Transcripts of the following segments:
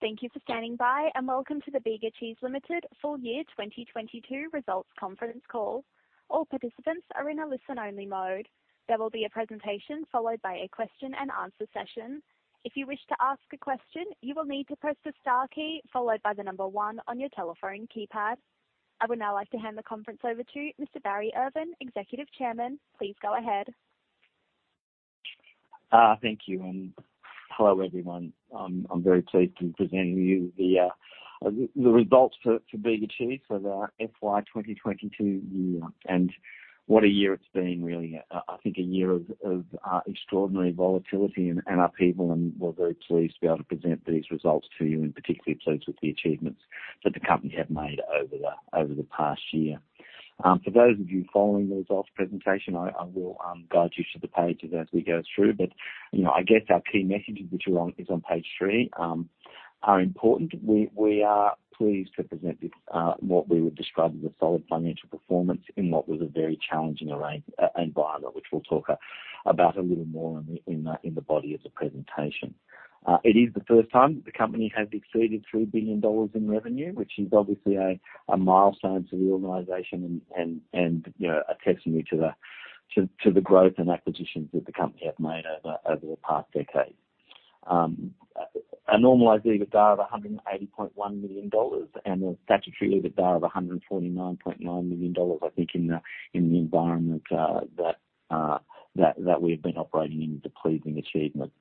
Thank you for standing by, and welcome to the Bega Cheese Limited full year 2022 results conference call. All participants are in a listen-only mode. There will be a presentation followed by a question and answer session. If you wish to ask a question, you will need to press the star key followed by the number 1 on your telephone keypad. I would now like to hand the conference over to Mr. Barry Irvin, Executive Chairman. Please go ahead. Thank you and hello, everyone. I'm very pleased to be presenting you the results for Bega Cheese for the FY 2022 year. What a year it's been really. I think a year of extraordinary volatility and upheaval, and we're very pleased to be able to present these results to you and particularly pleased with the achievements that the company have made over the past year. For those of you following the results presentation, I will guide you to the pages as we go through, but you know, I guess our key messages which are on page 3 are important. We are pleased to present this, what we would describe as a solid financial performance in what was a very challenging environment, which we'll talk about a little more in the body of the presentation. It is the first time that the company has exceeded 3 billion dollars in revenue, which is obviously a milestone for the organization and, you know, a testimony to the growth and acquisitions that the company have made over the past decade. A normalized EBITDA of 180.1 million dollars and a statutory EBITDA of 149.9 million dollars, I think in the environment that we've been operating in is a pleasing achievement.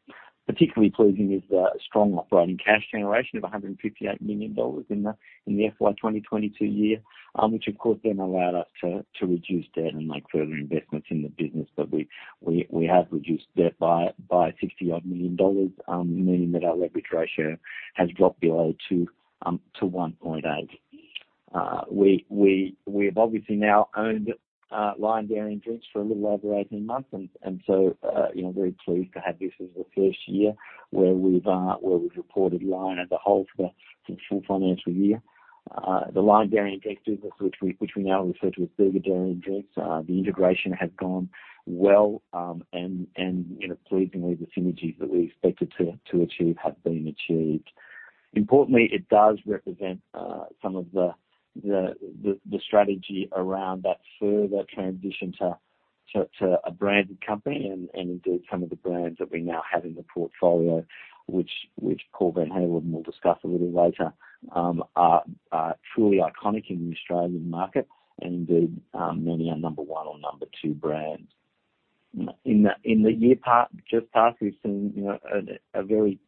Particularly pleasing is the strong operating cash generation of 158 million dollars in the FY 2022 year, which of course then allowed us to reduce debt and make further investments in the business. We have reduced debt by 60-odd million dollars, meaning that our leverage ratio has dropped below 2 to 1.8. We have obviously now owned Lion Dairy & Drinks for a little over 18 months and so you know, very pleased to have this as the first year where we've reported Lion as a whole for the full financial year. The Lion Dairy and Drinks business which we now refer to as Bega Dairy & Drinks, the integration has gone well, and, you know, pleasingly the synergies that we expected to achieve have been achieved. Importantly, it does represent some of the strategy around that further transition to a branded company and indeed some of the brands that we now have in the portfolio which Paul van Heerwaarden will discuss a little later, are truly iconic in the Australian market and indeed, many are number one or number two brands. In the year just past, we've seen, you know, a very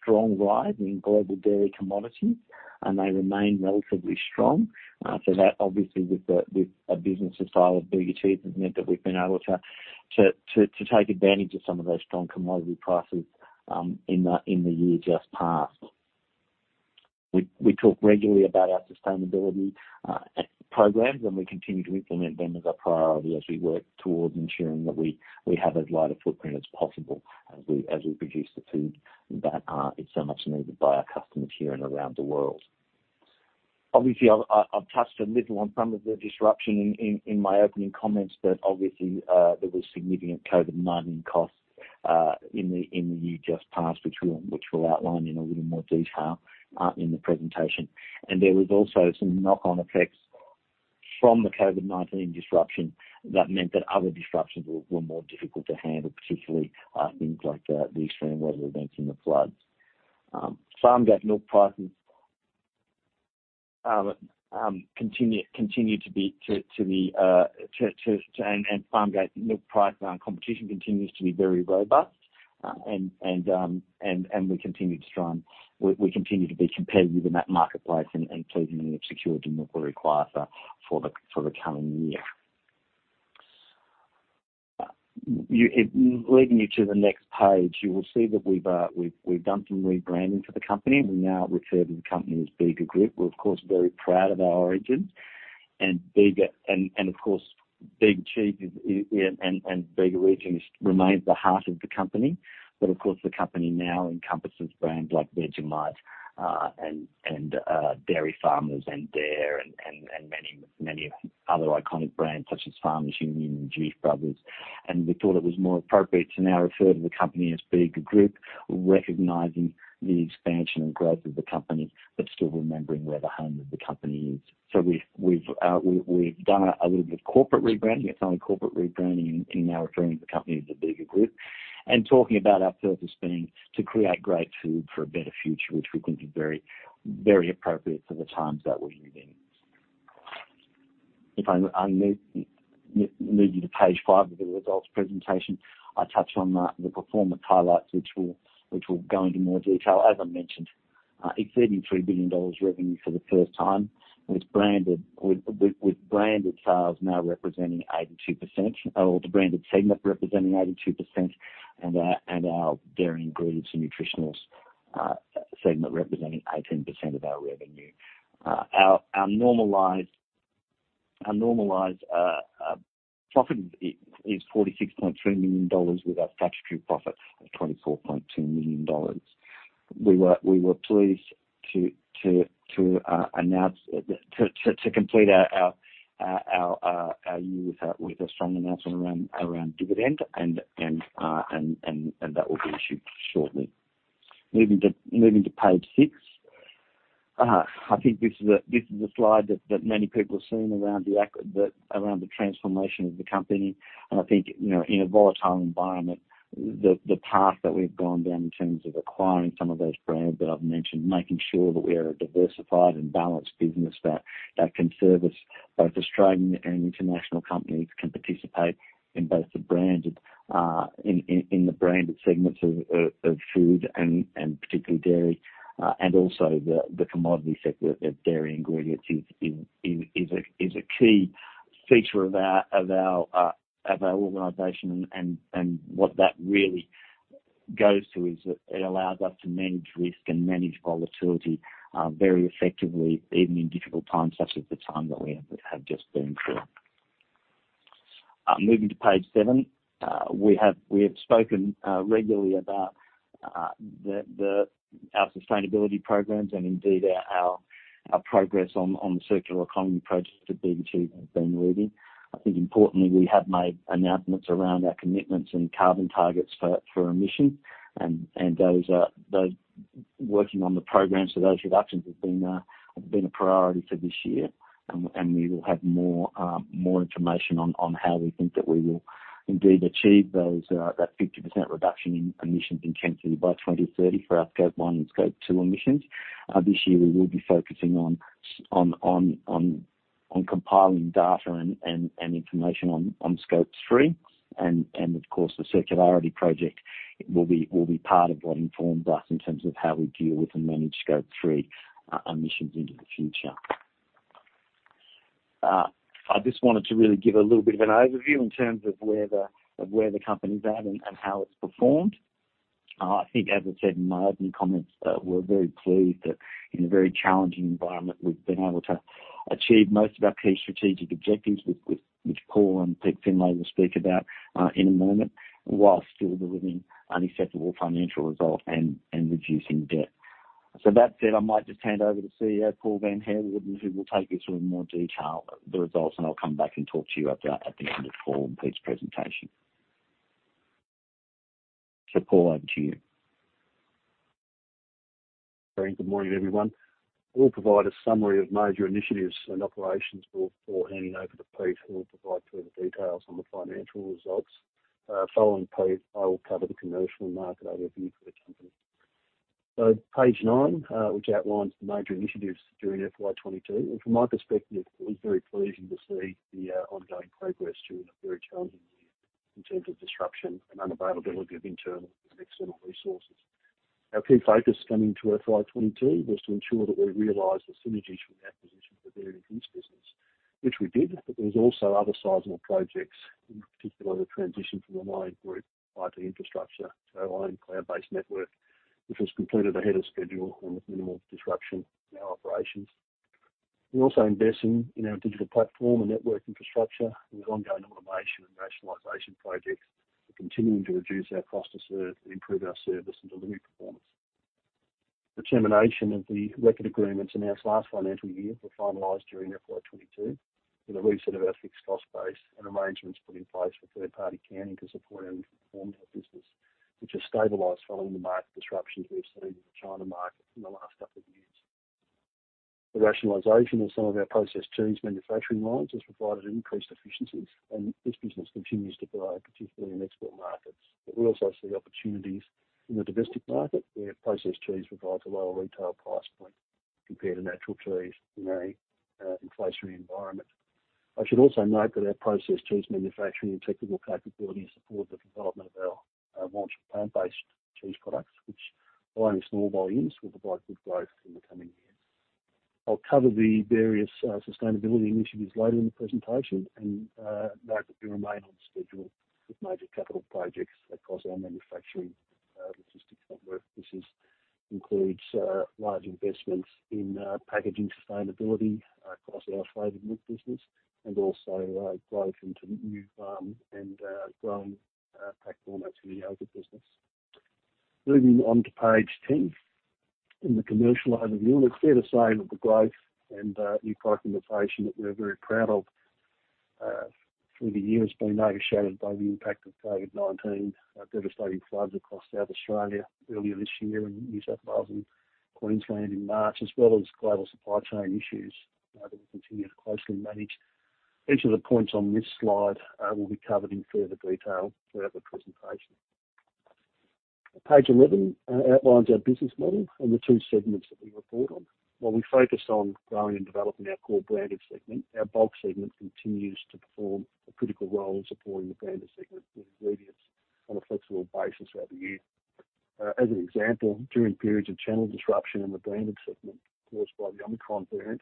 strong rise in global dairy commodities, and they remain relatively strong. That obviously with a business the size of Bega Cheese has meant that we've been able to take advantage of some of those strong commodity prices in the year just past. We talk regularly about our sustainability programs, and we continue to implement them as a priority as we work towards ensuring that we have as light a footprint as possible as we produce the food that is so much needed by our customers here and around the world. Obviously, I've touched a little on some of the disruption in my opening comments that obviously there was significant COVID-19 costs in the year just past, which we'll outline in a little more detail in the presentation. There was also some knock-on effects from the COVID-19 disruption that meant that other disruptions were more difficult to handle, particularly, things like, the extreme weather events and the floods. Farmgate milk price competition continues to be very robust. We continue to be competitive in that marketplace and pleasingly we've secured the milk we require for the coming year. Leading you to the next page, you will see that we've done some rebranding for the company. We now refer to the company as Bega Group. We're of course very proud of our origins and Bega and of course Bega Cheese is and Bega region remains the heart of the company. But of course the company now encompasses brands like Vegemite and Dairy Farmers and Dare and many other iconic brands such as Farmers Union and Juice Brothers. We thought it was more appropriate to now refer to the company as Bega Group, recognizing the expansion and growth of the company, but still remembering where the home of the company is. We've done a little bit of corporate rebranding. It's only corporate rebranding now referring to the company as the Bega Group. Talking about our purpose being to create great food for a better future, which we think is very appropriate for the times that we're living in. If I move you to page five of the results presentation, I touch on the performance highlights, which we'll go into more detail. As I mentioned, exceeding 3 billion dollars revenue for the first time with branded sales now representing 82% or the branded segment representing 82% and our dairy ingredients and nutritionals segment representing 18% of our revenue. Our normalized profit is 46.3 million dollars with our statutory profit of 24.2 million dollars. We were pleased to announce to complete our year with a strong announcement around dividend and that will be issued shortly. Moving to page six. I think this is a slide that many people have seen around the transformation of the company. I think, you know, in a volatile environment, the path that we've gone down in terms of acquiring some of those brands that I've mentioned, making sure that we are a diversified and balanced business that can service both Australian and international companies, can participate in both the branded segments of food and particularly dairy, and also the commodity sector of dairy ingredients is a key feature of our organization. What that really goes to is that it allows us to manage risk and manage volatility very effectively even in difficult times, such as the time that we have just been through. Moving to page seven. We have spoken regularly about our sustainability programs and indeed our progress on the circular economy projects that BGT has been leading. I think importantly, we have made announcements around our commitments and carbon targets for emission. Working on the programs for those reductions has been a priority for this year. We will have more information on how we think that we will indeed achieve those 50% reduction in emissions intensity by 2030 for our Scope 1 and Scope 2 emissions. This year we will be focusing on compiling data and information on Scope 3 and, of course, the circularity project will be part of what informs us in terms of how we deal with and manage Scope 3 emissions into the future. I just wanted to really give a little bit of an overview in terms of where the company's at and how it's performed. I think as I said in my opening comments, we're very pleased that in a very challenging environment, we've been able to achieve most of our key strategic objectives, which Paul and Pete Findlay will speak about in a moment, while still delivering unacceptable financial results and reducing debt. That said, I might just hand over to CEO Paul van Heerwaarden, who will take you through in more detail the results, and I'll come back and talk to you at the end of Paul and Pete's presentation. Paul, over to you. Great. Good morning, everyone. We'll provide a summary of major initiatives and operations before handing over to Pete who will provide further details on the financial results. Following Pete, I will cover the commercial and market overview for the company. Page nine, which outlines the major initiatives during FY22. From my perspective, it was very pleasing to see the ongoing progress during a very challenging year in terms of disruption and unavailability of internal and external resources. Our key focus coming to FY22 was to ensure that we realized the synergies from the acquisition of the dairy drinks business, which we did, but there was also other sizable projects, in particular, the transition from the Lion Group IT infrastructure to our own cloud-based network, which was completed ahead of schedule and with minimal disruption to our operations. We're also investing in our digital platform and network infrastructure with ongoing automation and rationalization projects to continuing to reduce our cost to serve and improve our service and delivery performance. The termination of the Reckitt agreements in our last financial year were finalized during FY 2022 with a reset of our fixed cost base and arrangements put in place for third-party canning to support our reformed health business, which has stabilized following the market disruptions we've seen in the China market in the last couple of years. The rationalization of some of our processed cheese manufacturing lines has provided increased efficiencies, and this business continues to grow, particularly in export markets. We also see opportunities in the domestic market where processed cheese provides a lower retail price point compared to natural cheese in an inflationary environment. I should also note that our processed cheese manufacturing and technical capability support the development of our launch of plant-based cheese products, which while in small volumes, will provide good growth in the coming years. I'll cover the various sustainability initiatives later in the presentation and note that we remain on schedule with major capital projects across our manufacturing logistics network. This includes large investments in packaging sustainability across our flavored milk business and also growth into new farm and growing platform into the yogurt business. Moving on to page ten. In the commercial overview, it's fair to say that the growth and new product innovation that we're very proud of through the year has been overshadowed by the impact of COVID-19, devastating floods across South Australia earlier this year in New South Wales and Queensland in March, as well as global supply chain issues that we continue to closely manage. Each of the points on this slide will be covered in further detail throughout the presentation. Page 11 outlines our business model and the two segments that we report on. While we focus on growing and developing our core branded segment, our bulk segment continues to perform a critical role in supporting the branded segment with ingredients on a flexible basis throughout the year. As an example, during periods of channel disruption in the branded segment caused by the Omicron variant,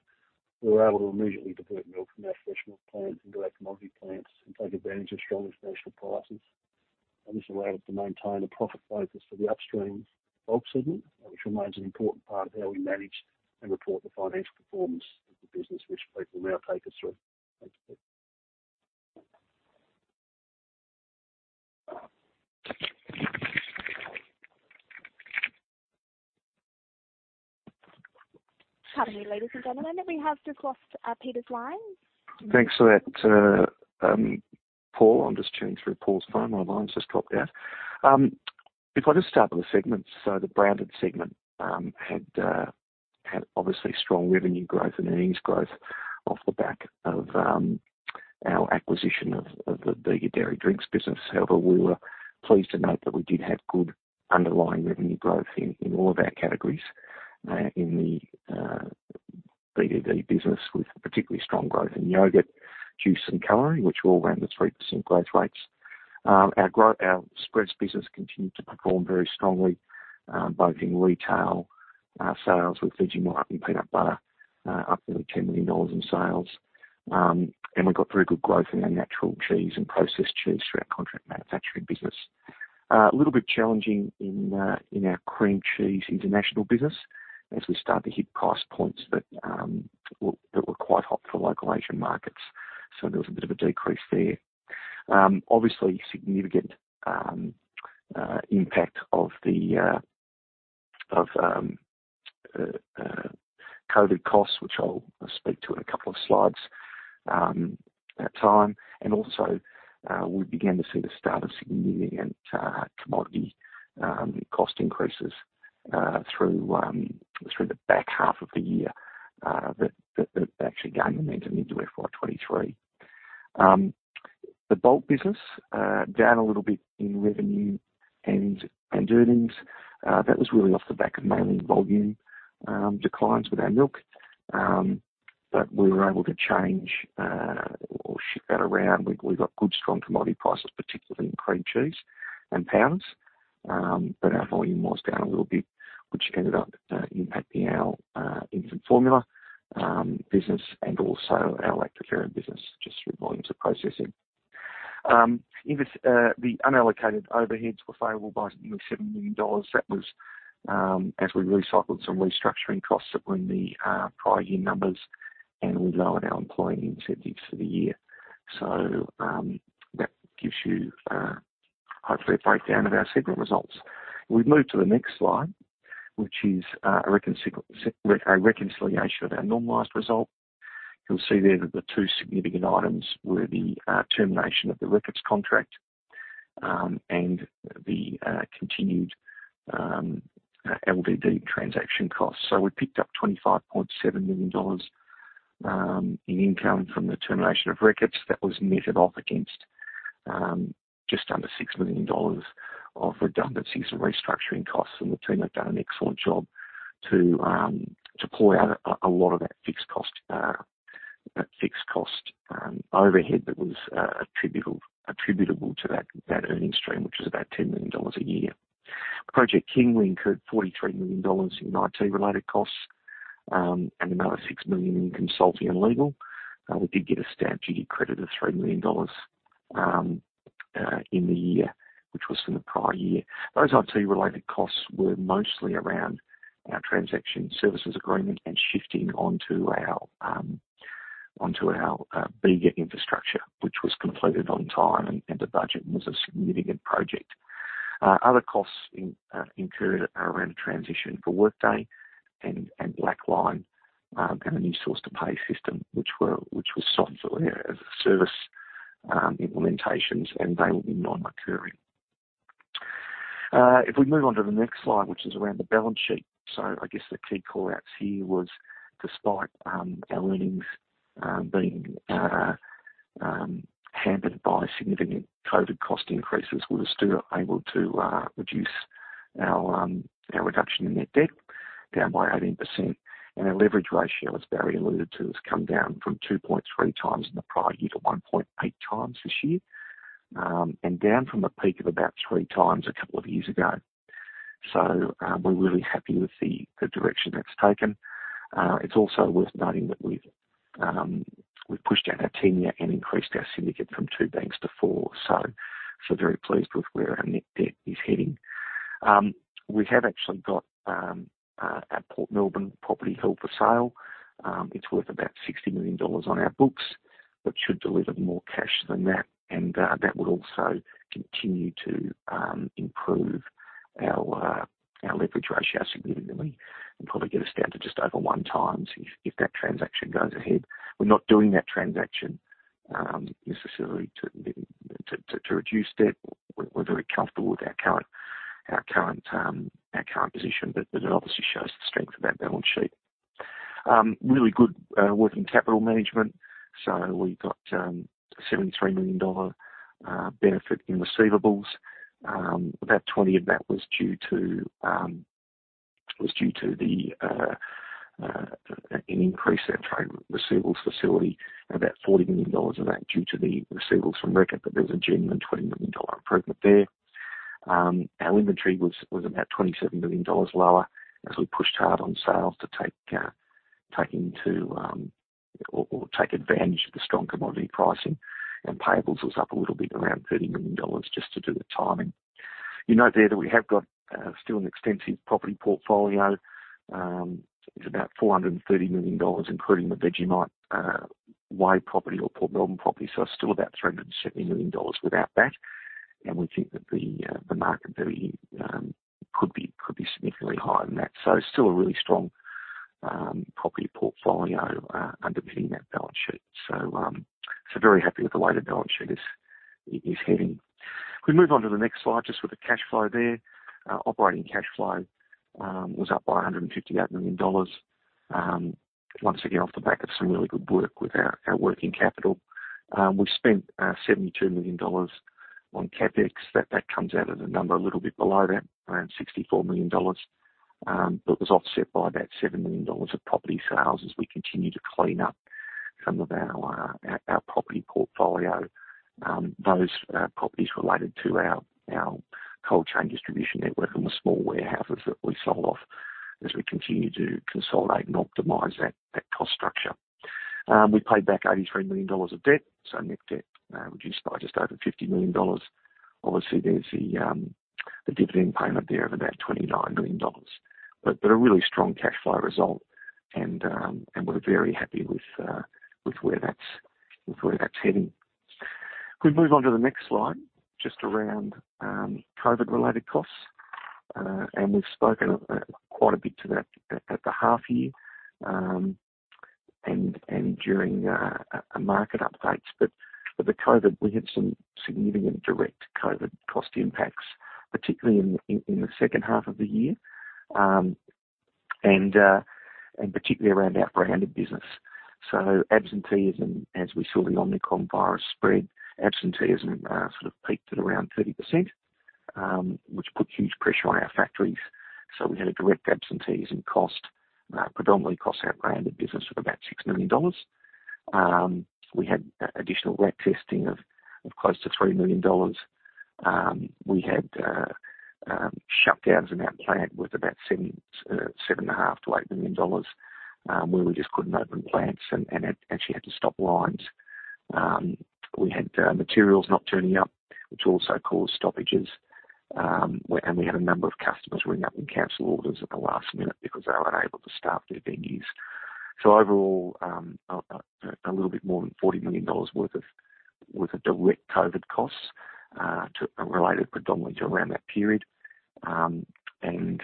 we were able to immediately divert milk from our fresh milk plant into our commodity plants and take advantage of stronger national prices. This allowed us to maintain a profit focus for the upstream bulk segment, which remains an important part of how we manage and report the financial performance of the business, which Pete will now take us through. Thanks, Pete. Pardon me, ladies and gentlemen, we have just lost Pete's line. Thanks for that, Paul. I'm just joining through Paul's phone. My line's just dropped out. If I just start with the segments. The branded segment had obviously strong revenue growth and earnings growth off the back of our acquisition of the Bega Dairy & Drinks business. However, we were pleased to note that we did have good underlying revenue growth in all of our categories in the BDD business, with particularly strong growth in yogurt, juice and dairy, which were all around the 3% growth rates. Our spreads business continued to perform very strongly, both in retail sales with Vegemite and peanut butter up nearly 10 million dollars in sales. We got very good growth in our natural cheese and processed cheese through our contract manufacturing business. A little bit challenging in our cream cheese international business as we start to hit price points that were quite hot for local Asian markets, so there was a bit of a decrease there. Obviously significant impact of the COVID costs, which I'll speak to in a couple of slides at time. We began to see the start of significant commodity cost increases through the back half of the year that actually gained momentum into FY23. The bulk business down a little bit in revenue and earnings. That was really off the back of mainly volume declines with our milk. We were able to change or shift that around. We got good, strong commodity prices, particularly in cream cheese and powders. But our volume was down a little bit, which ended up impacting our infant formula business and also our lactoferrin business, just through volumes of processing. The unallocated overheads were favorable by nearly 7 million dollars. That was as we recycled some restructuring costs that were in the prior year numbers, and we lowered our employee incentives for the year. That gives you hopefully a breakdown of our segment results. We move to the next slide, which is a reconciliation of our normalized result. You'll see there that the two significant items were the termination of the Reckitt's contract and the continued LDD transaction costs. We picked up 25.7 million dollars in income from the termination of Reckitt's. That was netted off against just under 6 million dollars of redundancies and restructuring costs. The team have done an excellent job to pull out a lot of that fixed cost overhead that was attributable to that earning stream, which was about 10 million dollars a year. Project King, we incurred 43 million dollars in IT-related costs and another 6 million in consulting and legal. We did get a stamp duty credit of 3 million dollars in the year, which was from the prior year. Those IT-related costs were mostly around our transaction services agreement and shifting onto our Bega infrastructure, which was completed on time and to budget, and was a significant project. Other costs incurred are around transition for Workday and BlackLine and a new source to pay system which was software as a service implementations and they will be non-recurring. If we move on to the next slide, which is around the balance sheet. I guess the key call-outs here was despite our earnings being hampered by significant COVID cost increases, we were still able to reduce our reduction in net debt down by 18%. Our leverage ratio, as Barry alluded to, has come down from 2.3 times in the prior year to 1.8 times this year, and down from a peak of about 3 times a couple of years ago. We're really happy with the direction that's taken. It's also worth noting that we've pushed out our tenor and increased our syndicate from 2 banks to 4, so very pleased with where our net debt is heading. We have actually got our Port Melbourne property held for sale. It's worth about 60 million dollars on our books, but should deliver more cash than that, and that will also continue to improve our leverage ratio significantly and probably get us down to just over 1 times if that transaction goes ahead. We're not doing that transaction necessarily to reduce debt. We're very comfortable with our current position, but it obviously shows the strength of that balance sheet. Really good working capital management. We got a AUD 73 million benefit in receivables. About 20 of that was due to an increase in our trade receivables facility and about 40 million dollars of that due to the receivables from Reckitt, but there's a genuine 20 million dollar improvement there. Our inventory was about 27 million dollars lower as we pushed hard on sales to take advantage of the strong commodity pricing. Payables was up a little bit, around 30 million dollars just to do the timing. You note there that we have got still an extensive property portfolio. It's about 430 million dollars, including the Vegemite Way property or Port Melbourne property. It's still about 370 million dollars without that. We think that the market value could be significantly higher than that. Still a really strong property portfolio underpinning that balance sheet. Very happy with the way the balance sheet is heading. Could we move on to the next slide, just with the cash flow there. Operating cash flow was up by 158 million dollars, once again off the back of some really good work with our working capital. We spent 72 million dollars on CapEx. That comes out at a number a little bit below that, around 64 million dollars, but was offset by about 7 million dollars of property sales as we continue to clean up some of our property portfolio. Those properties related to our cold chain distribution network and the small warehouses that we sold off as we continue to consolidate and optimize that cost structure. We paid back 83 million dollars of debt, so net debt reduced by just over 50 million dollars. Obviously, there's the dividend payment there of about 29 million dollars. A really strong cash flow result and we're very happy with where that's heading. Could we move on to the next slide, just around COVID-related costs. We've spoken quite a bit to that at the half year and during market updates. With the COVID, we had some significant direct COVID cost impacts, particularly in the second half of the year and particularly around our branded business. Absenteeism, as we saw the Omicron virus spread, sort of peaked at around 30%, which put huge pressure on our factories. We had a direct absenteeism cost predominantly across our branded business of about 6 million dollars. We had additional RAT testing of close to 3 million dollars. We had shutdowns in our plant worth about 7.5 million-8 million dollars, where we just couldn't open plants and had to stop lines. We had materials not turning up, which also caused stoppages, and we had a number of customers ring up and cancel orders at the last minute because they were unable to staff their venues. Overall, a little bit more than 40 million dollars worth of direct COVID costs related predominantly to around that period, and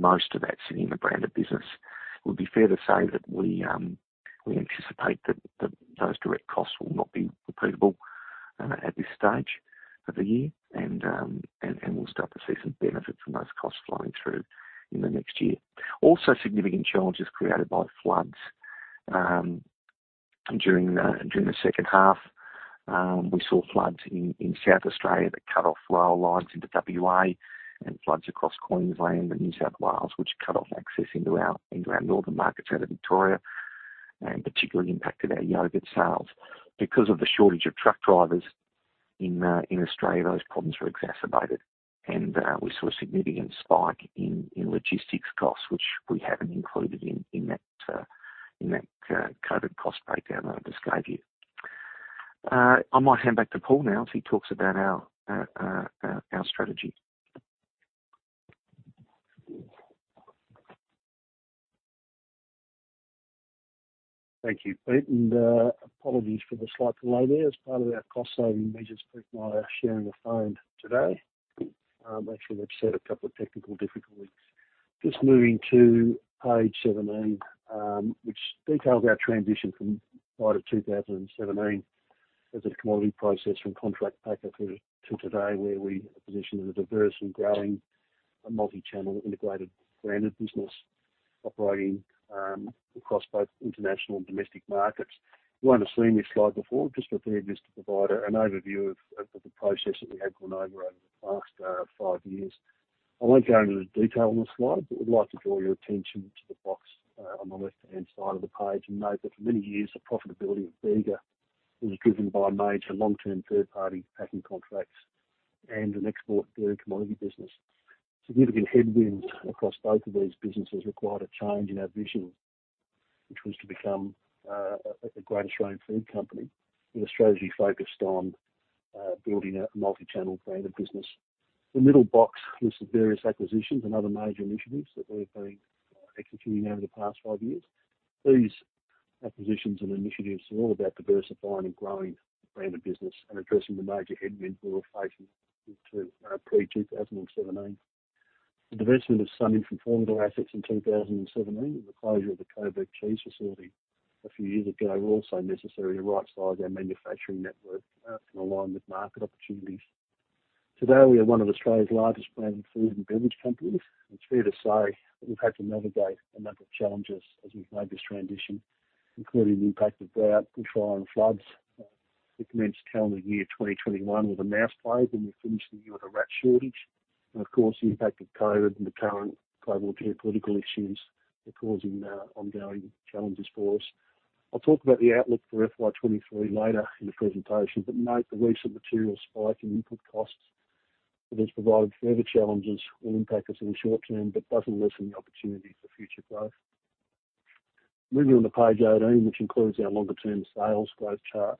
most of that sitting in the branded business. It would be fair to say that we anticipate that those direct costs will not be repeatable at this stage of the year and we'll start to see some benefit from those costs flowing through in the next year. Also, significant challenges created by floods. During the second half, we saw floods in South Australia that cut off rail lines into WA and floods across Queensland and New South Wales which cut off access into our northern markets out of Victoria, and particularly impacted our yogurt sales. Because of the shortage of truck drivers in Australia, those problems were exacerbated and we saw a significant spike in logistics costs which we haven't included in that COVID cost breakdown that I just gave you. I might hand back to Paul now as he talks about our strategy. Thank you, Pete. Apologies for the slight delay there. As part of our cost-saving measures, Pete and I are sharing a phone today, which we've had a couple of technical difficulties. Just moving to page 17, which details our transition from 2017 as a commodity processor and contract packer to today, where we are positioned as a diverse and growing multi-channel integrated branded business operating across both international and domestic markets. You won't have seen this slide before. Just prepared this to provide an overview of the process that we have gone over the past 5 years. I won't go into the detail on the slide, but would like to draw your attention to the box on the left-hand side of the page and note that for many years the profitability of Bega was driven by major long-term third-party packing contracts and an export dairy commodity business. Significant headwinds across both of these businesses required a change in our vision, which was to become a great Australian food company with a strategy focused on building a multi-channel branded business. The middle box lists the various acquisitions and other major initiatives that we've been executing over the past five years. These acquisitions and initiatives are all about diversifying and growing the brand of business and addressing the major headwinds we were facing in terms of pre-2017. The divestment of some non-core assets in 2017 and the closure of the Coburg Cheese facility a few years ago were also necessary to right-size our manufacturing network, and align with market opportunities. Today, we are one of Australia's largest branded food and beverage companies. It's fair to say that we've had to navigate a number of challenges as we've made this transition, including the impact of drought, bushfire and floods. We commenced calendar year 2021 with a mouse plague and we finished the year with a rat shortage. Of course, the impact of COVID and the current global geopolitical issues are causing ongoing challenges for us. I'll talk about the outlook for FY23 later in the presentation, but note the recent material spike in input costs that has provided further challenges will impact us in the short term but doesn't lessen the opportunity for future growth. Moving on to page 18, which includes our longer-term sales growth chart.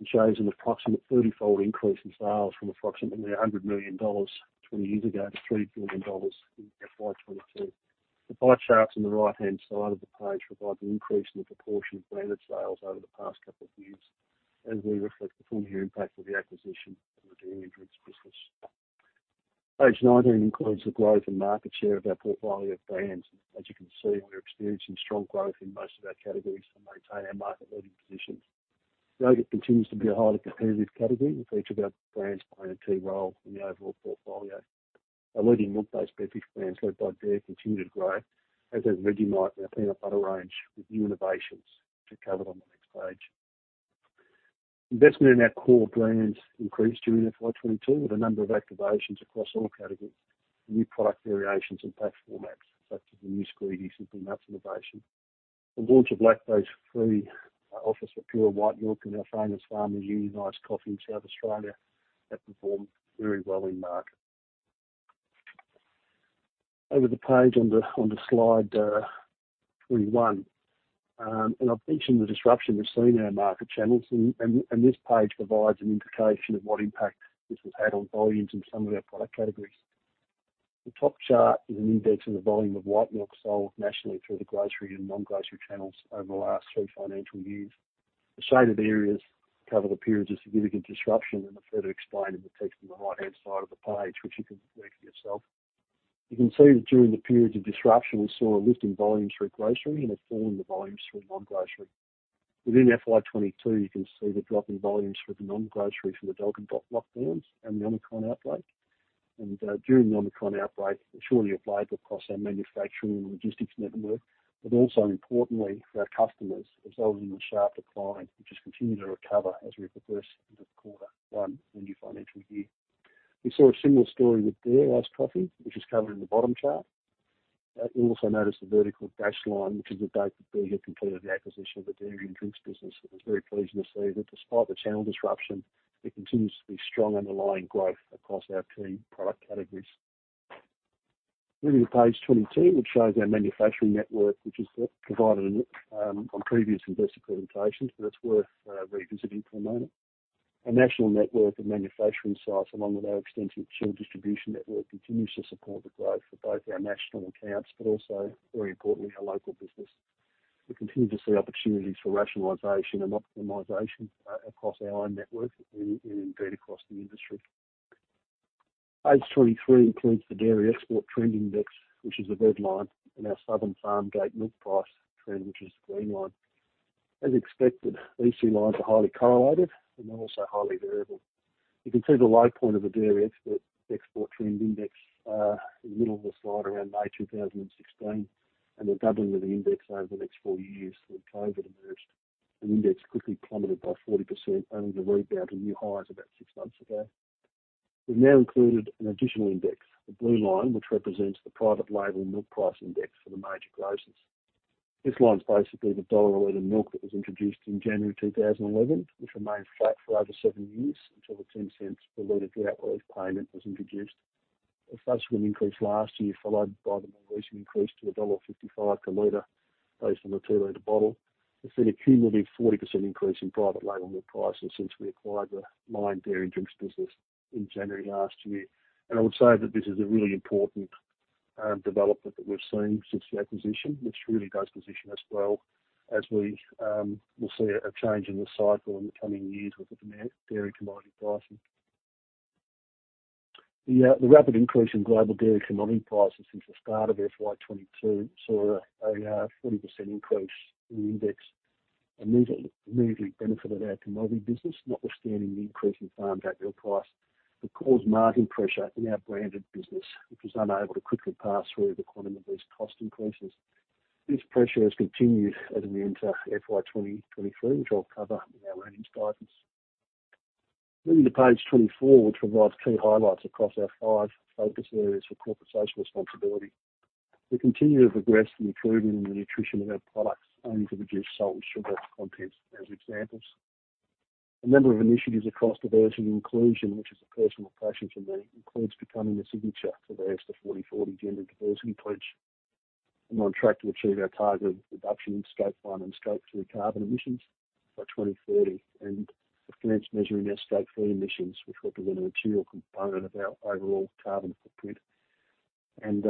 It shows an approximate 30-fold increase in sales from approximately 100 million dollars 20 years ago to 3 billion dollars in FY22. The pie charts on the right-hand side of the page provide the increase in the proportion of branded sales over the past couple of years, as we reflect the full year impact of the acquisition of the Dairy & Drinks business. Page 19 includes the growth in market share of our portfolio of brands. As you can see, we're experiencing strong growth in most of our categories to maintain our market-leading positions. Yogurt continues to be a highly competitive category, with each of our brands playing a key role in the overall portfolio. Our leading milk-based beverage brands led by Dare continue to grow, as has Vegemite and our peanut butter range with new innovations, which are covered on the next page. Investment in our core brands increased during FY22 with a number of activations across all categories, new product variations and pack formats, such as the new Squeezy Simply Nuts innovation. The launch of lactose-free option for Pura White Yoghurt and our famous Farmers Union Iced Coffee in South Australia have performed very well in market. Over the page on the slide 21. I've mentioned the disruption we've seen in our market channels, and this page provides an indication of what impact this has had on volumes in some of our product categories. The top chart is an index of the volume of white milk sold nationally through the grocery and non-grocery channels over the last three financial years. The shaded areas cover the periods of significant disruption and are further explained in the text on the right-hand side of the page, which you can read for yourself. You can see that during the periods of disruption, we saw a lift in volume through grocery and a fall in the volumes through non-grocery. Within FY22, you can see the drop in volumes for the non-grocery from the Delta lockdowns and the Omicron outbreak. During the Omicron outbreak, the shortage of labor across our manufacturing and logistics network, but also importantly for our customers, resulting in a sharp decline, which has continued to recover as we progress into quarter one of the new financial year. We saw a similar story with Dare Iced Coffee, which is covered in the bottom chart. You'll also notice the vertical dashed line, which is the date that Bega completed the acquisition of the Dairy and Drinks business. It was very pleasing to see that despite the channel disruption, there continues to be strong underlying growth across our key product categories. Moving to page 22, which shows our manufacturing network, which is provided on previous investor presentations, but it's worth revisiting for a moment. Our national network of manufacturing sites along with our extensive chilled distribution network continues to support the growth for both our national accounts, but also very importantly, our local business. We continue to see opportunities for rationalization and optimization across our network and indeed across the industry. Page 23 includes the Dairy Export Trend Index, which is the red line, and our Southern Farm Gate Milk Price Trend which is the green line. As expected, these two lines are highly correlated, and they're also highly variable. You can see the low point of the Dairy Export Trend Index in the middle of the slide around May 2016, and the doubling of the index over the next four years until COVID emerged. The index quickly plummeted by 40%, only to rebound to new highs about six months ago. We've now included an additional index, the blue line, which represents the private label milk price index for the major grocers. This line is basically the AUD 1 per liter milk that was introduced in January 2011, which remained flat for over 7 years until the 0.10 per liter drought relief payment was introduced. A subsequent increase last year, followed by the more recent increase to dollar 1.55 per liter based on a 2-liter bottle, has seen a cumulative 40% increase in private label milk prices since we acquired the Lion Dairy & Drinks business in January last year. I would say that this is a really important development that we've seen since the acquisition, which really does position us well as we will see a change in the cycle in the coming years with the dairy commodity pricing. The rapid increase in global dairy commodity prices since the start of FY22 saw a 40% increase in the index. These immediately benefited our commodity business, notwithstanding the increase in farm gate milk price, which caused margin pressure in our branded business, which was unable to quickly pass through the quantum of these cost increases. This pressure has continued as we enter FY23, which I'll cover in our earnings guidance. Moving to page 24, which provides key highlights across our five focus areas for corporate social responsibility. We continue to progress the improvement in the nutrition of our products, aiming to reduce salt and sugar content as examples. A number of initiatives across diversity and inclusion, which is a personal passion for me, includes becoming a signatory to the 40:40 Vision. We're on track to achieve our target of reduction in Scope 1 and Scope 2 carbon emissions by 2030, and have commenced measuring our Scope 2 emissions, which represent a material component of our overall carbon footprint, and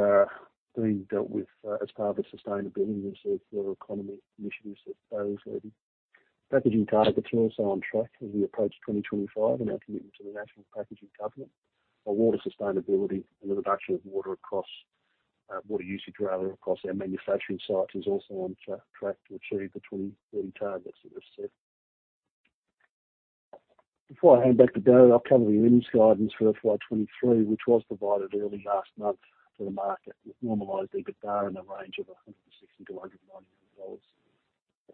being dealt with as part of the sustainability reserve for our economy initiatives that Darren is leading. Packaging targets are also on track as we approach 2025 and our commitment to the Australian Packaging Covenant. Our water sustainability and the reduction of water usage across our manufacturing sites is also on track to achieve the 2030 targets that we've set. Before I hand back to Darren, I'll cover the earnings guidance for FY 2023, which was provided early last month to the market with normalized EBITDA in the range of 160-190 million dollars.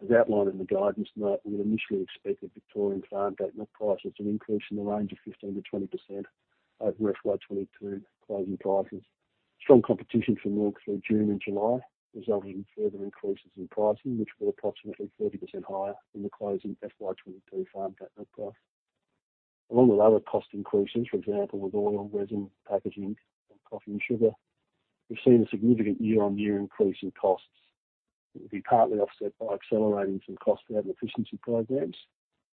As outlined in the guidance note, we would initially expect an increase in the Victorian farm gate milk price in the range of 15%-20% over FY22 closing prices. Strong competition for milk through June and July resulted in further increases in pricing, which were approximately 30% higher than the closing FY22 farm gate milk price. Along with other cost increases, for example, with oil, resin, packaging, and coffee and sugar, we've seen a significant year-on-year increase in costs. It will be partly offset by accelerating some cost-saving efficiency programs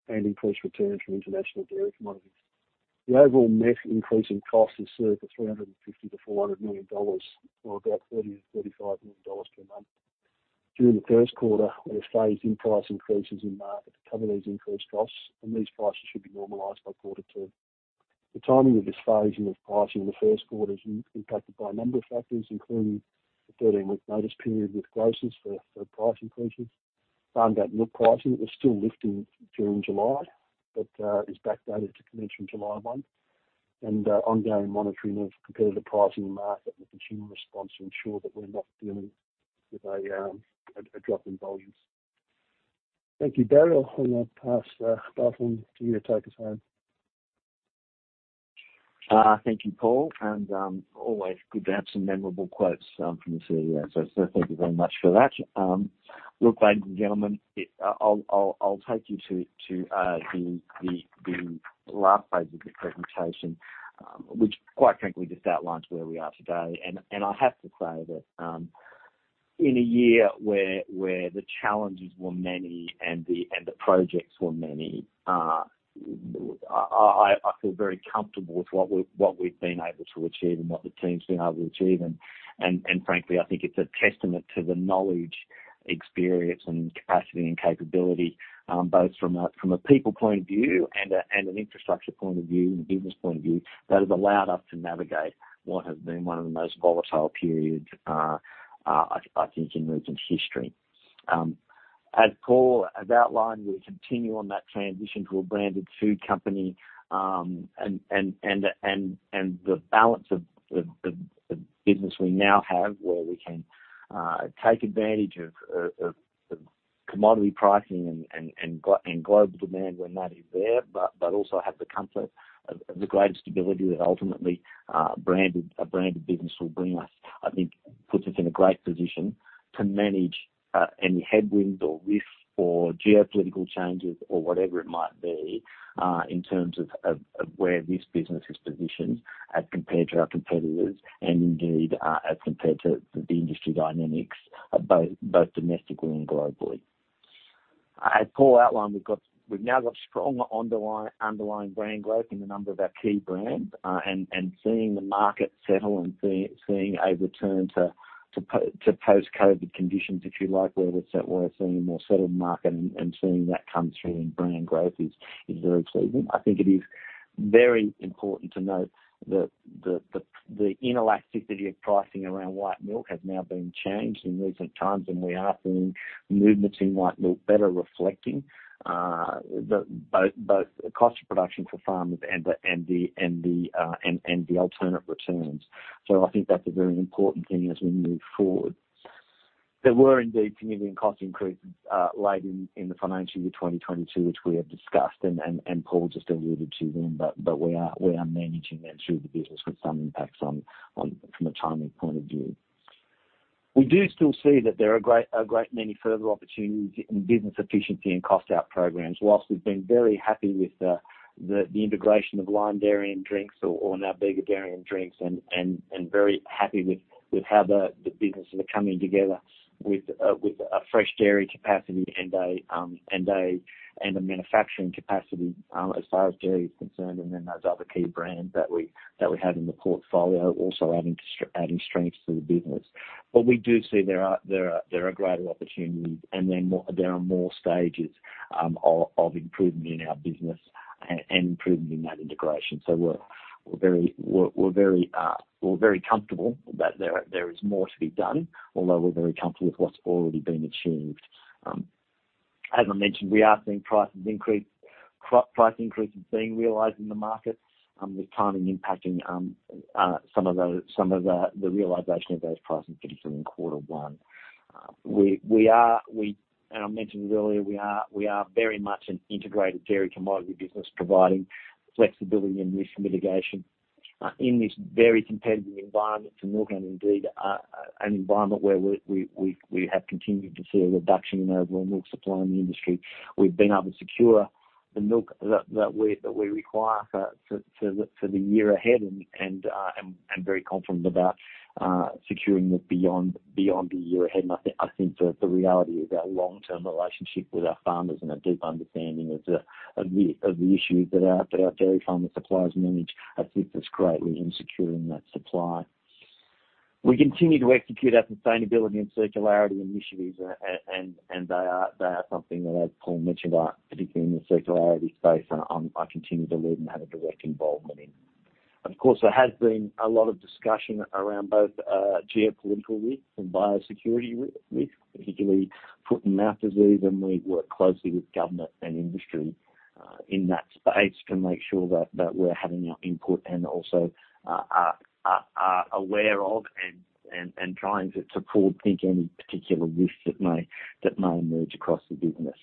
and increased returns from international dairy commodities. The overall net increase in costs is estimated at 350 million-400 million dollars or about 30 million-35 million dollars per month. During the first quarter, we have phased in price increases in market to cover these increased costs, and these prices should be normalized by quarter two. The timing of this phasing of pricing in the first quarter is impacted by a number of factors, including the 13-week notice period with grocers for price increases. Farmgate milk pricing was still lifting during July, but is backdated to commence from July 1. Ongoing monitoring of competitive pricing in the market and the consumer response to ensure that we're not dealing with a drop in volumes. Thank you, Barry. I'll now pass the baton to you to take us home. Thank you, Paul. Always good to have some memorable quotes from the CEO. Thank you very much for that. Look, ladies and gentlemen, I'll take you to the last phase of the presentation, which quite frankly, just outlines where we are today. I have to say that, in a year where the challenges were many and the projects were many, I feel very comfortable with what we've been able to achieve and what the team's been able to achieve. Frankly, I think it's a testament to the knowledge, experience, and capacity and capability, both from a people point of view and an infrastructure point of view and a business point of view that has allowed us to navigate what has been one of the most volatile periods, I think in recent history. As Paul has outlined, we continue on that transition to a branded food company, and the balance of the business we now have where we can take advantage of commodity pricing and global demand when that is there, but also have the comfort of the greater stability that ultimately a branded business will bring us, I think, puts us in a great position to manage any headwinds or risks or geopolitical changes or whatever it might be, in terms of where this business is positioned as compared to our competitors and indeed, as compared to the industry dynamics, both domestically and globally. As Paul outlined, we've got We've now got strong underlying brand growth in a number of our key brands, and seeing the market settle and seeing a return to post-COVID conditions, if you like, where there's that we're seeing a more settled market and seeing that come through in brand growth is very pleasing. I think it is very important to note that the inelasticity of pricing around white milk has now been changed in recent times, and we are seeing movements in white milk better reflecting both the cost of production for farmers and the alternate returns. I think that's a very important thing as we move forward. There were indeed significant cost increases late in the financial year 2022, which we have discussed, and Paul just alluded to them, but we are managing them through the business with some impacts on, from a timing point of view. We do still see that there are a great many further opportunities in business efficiency and cost-out programs. While we've been very happy with the integration of Lion Dairy & Drinks or now Bega Dairy & Drinks and very happy with how the businesses are coming together with a fresh dairy capacity and a manufacturing capacity as far as dairy is concerned, and then those other key brands that we have in the portfolio also adding strength to the business. We do see there are greater opportunities and there are more stages of improvement in our business and improvement in that integration. We're very comfortable that there is more to be done, although we're very comfortable with what's already been achieved. As I mentioned, we are seeing prices increase, price increases being realized in the market, with timing impacting some of the realization of those price increases in quarter one. We are I mentioned it earlier, we are very much an integrated dairy commodity business, providing flexibility and risk mitigation in this very competitive environment for milk and indeed an environment where we have continued to see a reduction in overall milk supply in the industry. We've been able to secure the milk that we require for the year ahead and very confident about securing that beyond the year ahead. I think the reality of our long-term relationship with our farmers and a deep understanding of the issues that our dairy farmer suppliers manage assists us greatly in securing that supply. We continue to execute our sustainability and circularity initiatives, and they are something that, as Paul mentioned, I particularly in the circularity space, I continue to lead and have a direct involvement in. Of course, there has been a lot of discussion around both geopolitical risk and biosecurity risk, particularly foot-and-mouth disease, and we work closely with government and industry in that space to make sure that we're having our input and also are aware of and trying to forward-think any particular risks that may emerge across the business.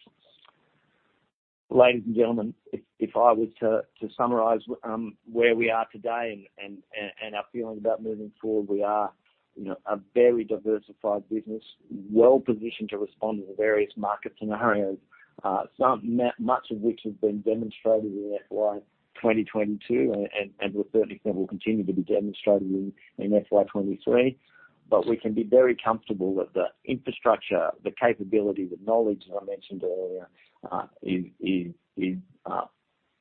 Ladies and gentlemen, if I were to summarize where we are today and our feelings about moving forward, we are, you know, a very diversified business, well-positioned to respond to the various market scenarios, much of which have been demonstrated in FY 2022 and we certainly think will continue to be demonstrated in FY 2023. But we can be very comfortable that the infrastructure, the capability, the knowledge that I mentioned earlier,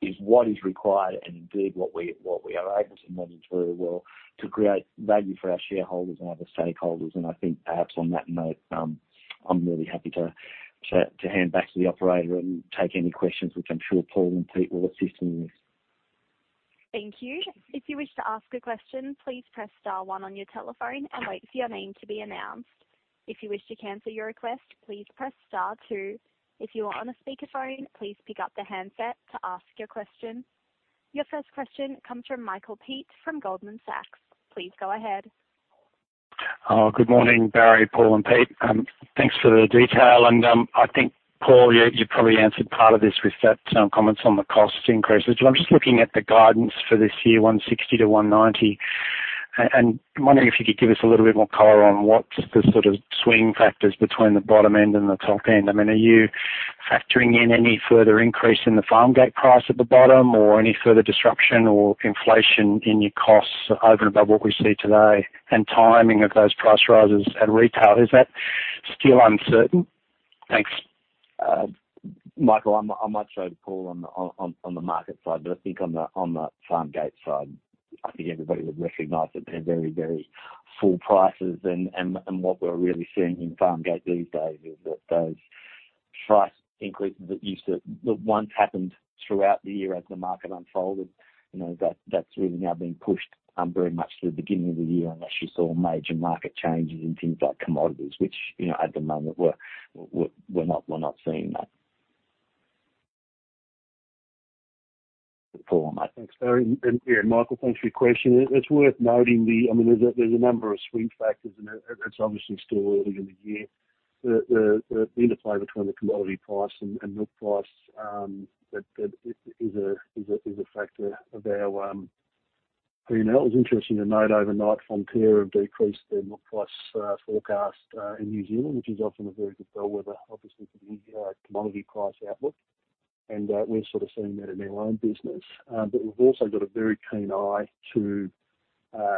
is what is required and indeed what we are able to manage very well to create value for our shareholders and other stakeholders. I think perhaps on that note, I'm really happy to hand back to the operator and take any questions which I'm sure Paul and Pete will assist me with. Thank you. If you wish to ask a question, please press star one on your telephone and wait for your name to be announced. If you wish to cancel your request, please press star two. If you are on a speakerphone, please pick up the handset to ask your question. Your first question comes from Michael Peet from Goldman Sachs. Please go ahead. Oh, good morning, Barry, Paul, and Pete. Thanks for the detail. I think, Paul, you probably answered part of this with those comments on the cost increases. I'm just looking at the guidance for this year, 160-190, and wondering if you could give us a little bit more color on what the sort of swing factors between the bottom end and the top end. I mean, are you factoring in any further increase in the farm gate price at the bottom or any further disruption or inflation in your costs over and above what we see today and timing of those price rises at retail? Is that still uncertain? Thanks. Michael, I might show to Paul on the market side, but I think on the farm gate side, I think everybody would recognize that they're very full prices and what we're really seeing in farm gate these days is that those price increases that once happened throughout the year as the market unfolded, you know, that's really now been pushed very much to the beginning of the year unless you saw major market changes in things like commodities, which, you know, at the moment we're not seeing that. Paul. Thanks, Barry and Michael, thanks for your question. It's worth noting. I mean, there's a number of swing factors and it's obviously still early in the year. The interplay between the commodity price and milk price that is a factor of our you know. It was interesting to note overnight, Fonterra have decreased their milk price forecast in New Zealand, which is often a very good bellwether, obviously for the commodity price outlook. We're sort of seeing that in our own business. But we've also got a very keen eye to a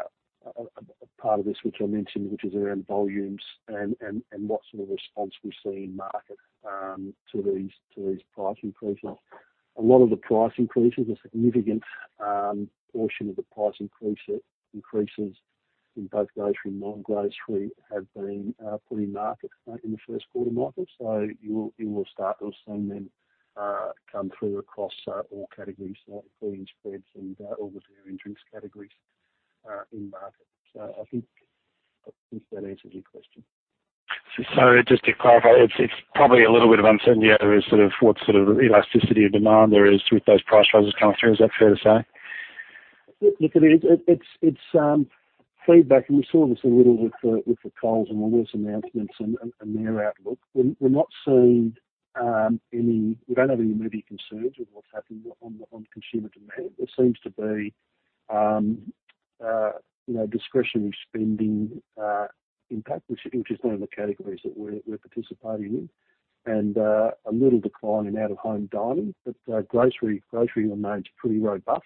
part of this, which I mentioned, which is around volumes and what sort of response we see in market to these price increases. A lot of the price increases, a significant portion of the price increases in both grocery and non-grocery have been put in market in the first quarter, Michael. You will start to see them come through across all categories, including spreads and obviously in drinks categories in market. I think that answers your question. Just to clarify, it's probably a little bit of uncertainty over sort of what sort of elasticity of demand there is with those price rises coming through. Is that fair to say? Look, it is. It's feedback and we saw this a little with the Coles and Woolworths announcements and their outlook. We don't have any immediate concerns with what's happened on consumer demand. There seems to be you know, discretionary spending impact which is one of the categories that we're participating in, and a little decline in out-of-home dining. Grocery remains pretty robust.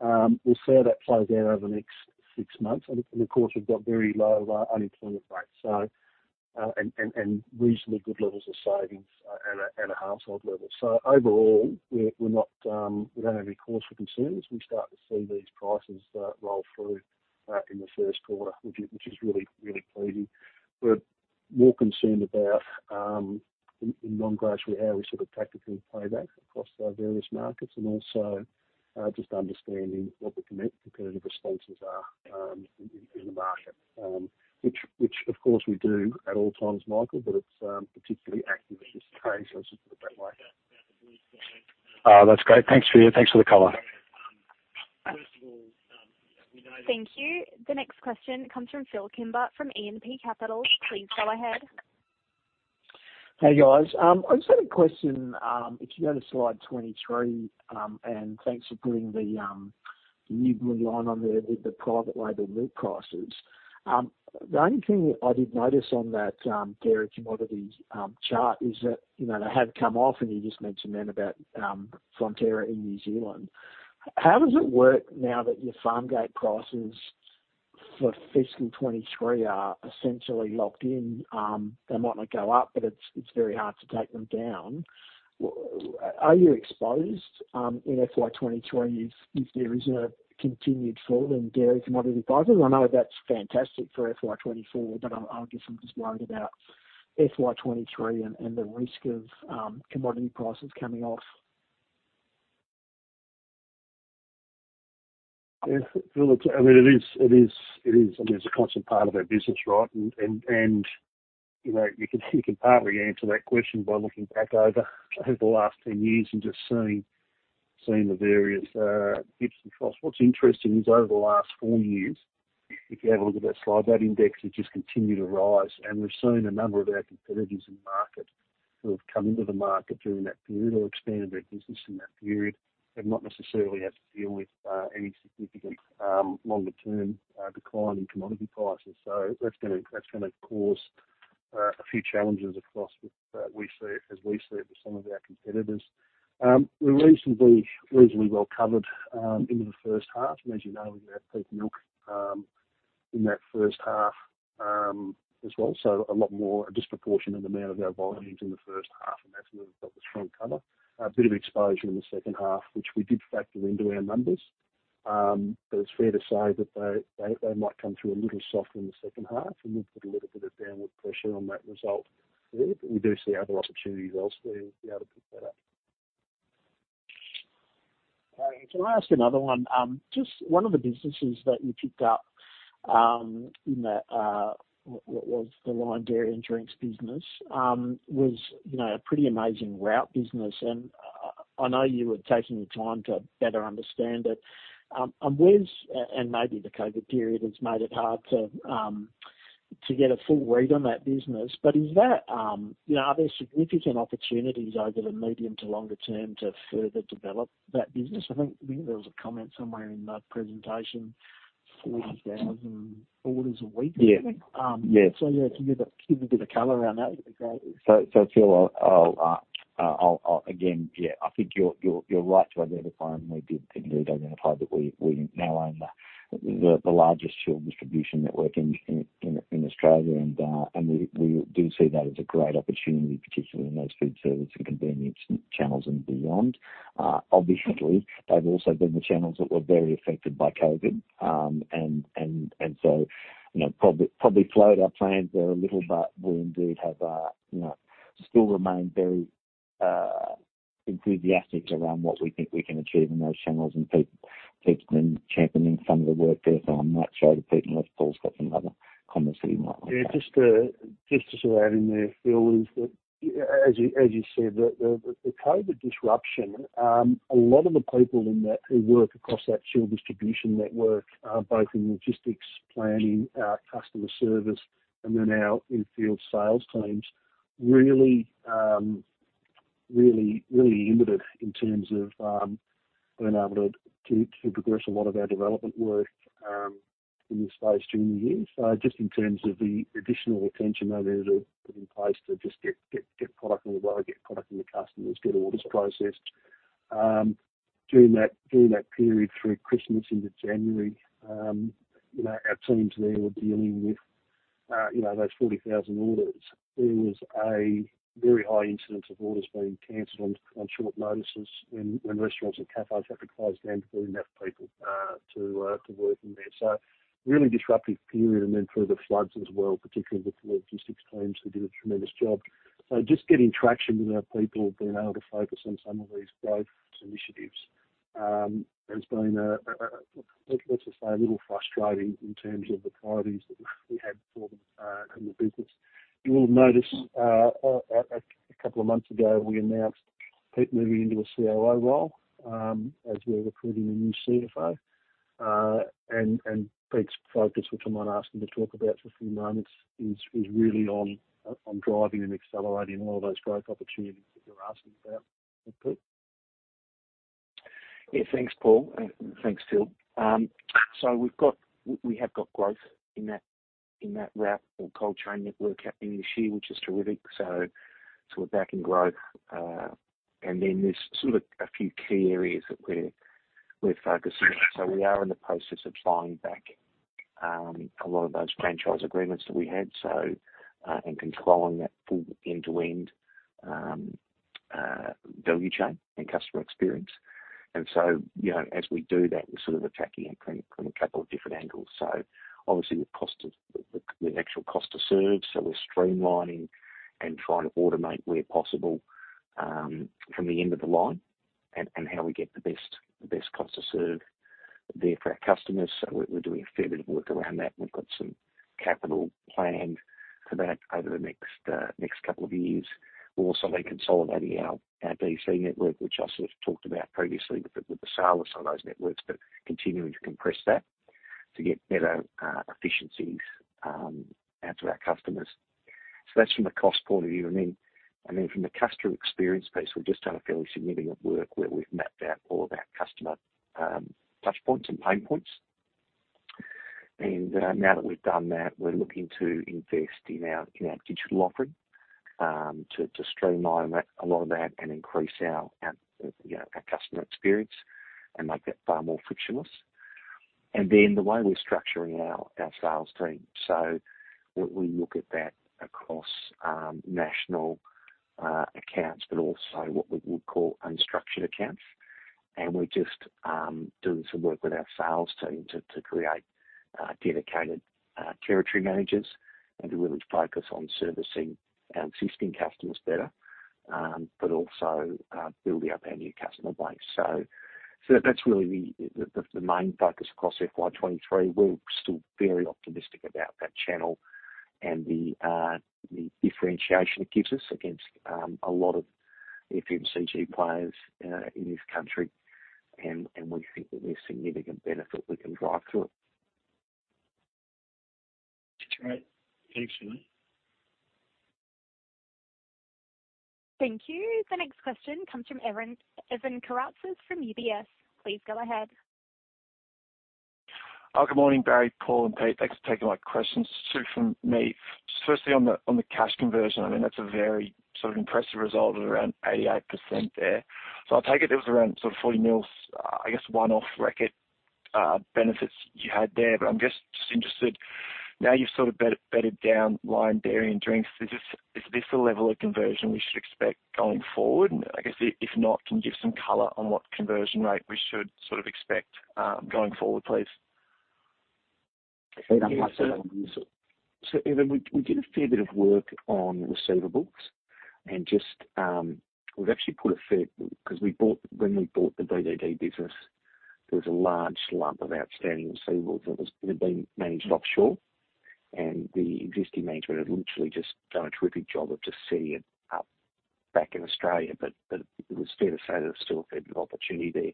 We'll see how that plays out over the next six months. Of course, we've got very low unemployment rates, so, and reasonably good levels of savings at a household level. Overall, we're not we don't have any cause for concerns as we start to see these prices roll through in the first quarter, which is really pleasing. We're more concerned about in non-grocery how we sort of tactically play that across our various markets and also just understanding what the competitive responses are in the market, which of course we do at all times, Michael, but it's particularly active at this time. Let's put it that way. Oh, that's great. Thanks for the color. Thank you. The next question comes from Phil Kimber from E&P Capital. Please go ahead. Hey, guys. I just had a question. If you go to slide 23, and thanks for putting the new blue line on there with the private label milk prices. The only thing I did notice on that dairy commodity chart is that, you know, they have come off and you just mentioned then about Fonterra in New Zealand. How does it work now that your farm gate prices for fiscal 2023 are essentially locked in? They might not go up, but it's very hard to take them down. Are you exposed in FY 2023 if there is a continued fall in dairy commodity prices? I know that's fantastic for FY 2024, but I guess I'm just worried about FY 2023 and the risk of commodity prices coming off. Yeah. Phil, look, I mean, it is, I mean, it's a constant part of our business, right? You know, you can partly answer that question by looking back over the last 10 years and just seeing the various dips and troughs. What's interesting is over the last 4 years, if you have a look at that slide, that index has just continued to rise. We've seen a number of our competitors in the market who have come into the market during that period or expanded their business in that period, have not necessarily had to deal with any significant longer term decline in commodity prices. That's gonna cause. A few challenges across with we see as we see it with some of our competitors. We're reasonably well covered into the first half. As you know, we have peak milk in that first half as well, so a lot more, a disproportionate amount of our volumes in the first half, and that's where we've got the strong cover. A bit of exposure in the second half, which we did factor into our numbers. It's fair to say that they might come through a little softer in the second half, and we'll put a little bit of downward pressure on that result there. We do see other opportunities elsewhere to be able to pick that up. All right. Can I ask another one? Just one of the businesses that you picked up in that what was the Lion Dairy & Drinks business was you know a pretty amazing route business. I know you were taking the time to better understand it. Maybe the COVID period has made it hard to get a full read on that business. But is there you know are there significant opportunities over the medium to longer term to further develop that business? I think there was a comment somewhere in that presentation 40,000 orders a week I think. Yeah. Yeah. Yeah, can you give a bit of color around that? That'd be great. Phil, I'll again, yeah, I think you're right to identify and we did indeed identify that we now own the largest chilled distribution network in Australia. We do see that as a great opportunity, particularly in those food service and convenience channels and beyond. Obviously, they've also been the channels that were very affected by COVID. You know, probably slowed our plans there a little, but we indeed have, you know, still remain very enthusiastic around what we think we can achieve in those channels. Pete's been championing some of the work there, so I might show to Pete, unless Paul's got some other comments that he might like to add. Just to add in there, Phil, as you said, the COVID disruption, a lot of the people in that who work across that chilled distribution network, both in logistics, planning, customer service, and then our in-field sales teams, really inhibited in terms of being able to progress a lot of our development work in this space during the year. Just in terms of the additional attention they needed to put in place to just get product on the way, get product to the customers, get orders processed. During that period through Christmas into January, you know, our teams there were dealing with you know, those 40,000 orders. There was a very high incidence of orders being canceled on short notices when restaurants and cafes had to close down because they didn't have people to work in there. Really disruptive period. Through the floods as well, particularly for the logistics teams who did a tremendous job. Just getting traction with our people, being able to focus on some of these growth initiatives, has been, let's just say, a little frustrating in terms of the priorities that we had for them in the business. You will have noticed a couple of months ago, we announced Pete moving into a COO role, as we're recruiting a new CFO. Pete's focus, which I might ask him to talk about for a few moments, is really on driving and accelerating all of those growth opportunities that you're asking about. Pete? Yeah. Thanks, Paul. Thanks, Phil. We've got growth in that route or cold chain network happening this year, which is terrific. We're back in growth. Then there's sort of a few key areas that we're focusing on. We are in the process of buying back a lot of those franchise agreements that we had, and controlling that full end-to-end value chain and customer experience. You know, as we do that, we're sort of attacking it from a couple of different angles. Obviously with the actual cost to serve. We're streamlining and trying to automate where possible, from the end of the line and how we get the best cost to serve there for our customers. We're doing a fair bit of work around that, and we've got some capital planned for that over the next couple of years. We're also reconsolidating our DC network, which I sort of talked about previously with the sale of some of those networks, but continuing to compress that to get better efficiencies out to our customers. That's from a cost point of view. Then from the customer experience piece, we've just done a fairly significant work where we've mapped out all of our customer touch points and pain points. Now that we've done that, we're looking to invest in our digital offering to streamline that, a lot of that and increase our you know our customer experience and make that far more frictionless. The way we're structuring our sales team. We look at that across national accounts, but also what we would call unstructured accounts. We're just doing some work with our sales team to create dedicated territory managers and to really focus on servicing our existing customers better, but also building up our new customer base. That's really the main focus across FY23. We're still very optimistic about that channel and the differentiation it gives us against a lot of FMCG players in this country. We think that there's significant benefit we can drive through it. Great. Thanks for that. Thank you. The next question comes from Evan Karatzas from UBS. Please go ahead. Good morning, Barry, Paul, and Pete. Thanks for taking my questions. Two from me. Just firstly on the cash conversion, I mean, that's a very sort of impressive result at around 88% there. I take it there was around sort of 40 million, I guess, one-off receivables benefits you had there. But I'm just interested, now you've sort of bedded down Lion Dairy & Drinks, is this the level of conversion we should expect going forward? And I guess if not, can you give some color on what conversion rate we should sort of expect going forward, please? Evan, we did a fair bit of work on receivables. When we bought the BDD business, there was a large sum of outstanding receivables that had been managed offshore. The existing management had literally just done a terrific job of just setting it up back in Australia. It was fair to say that there's still a fair bit of opportunity there.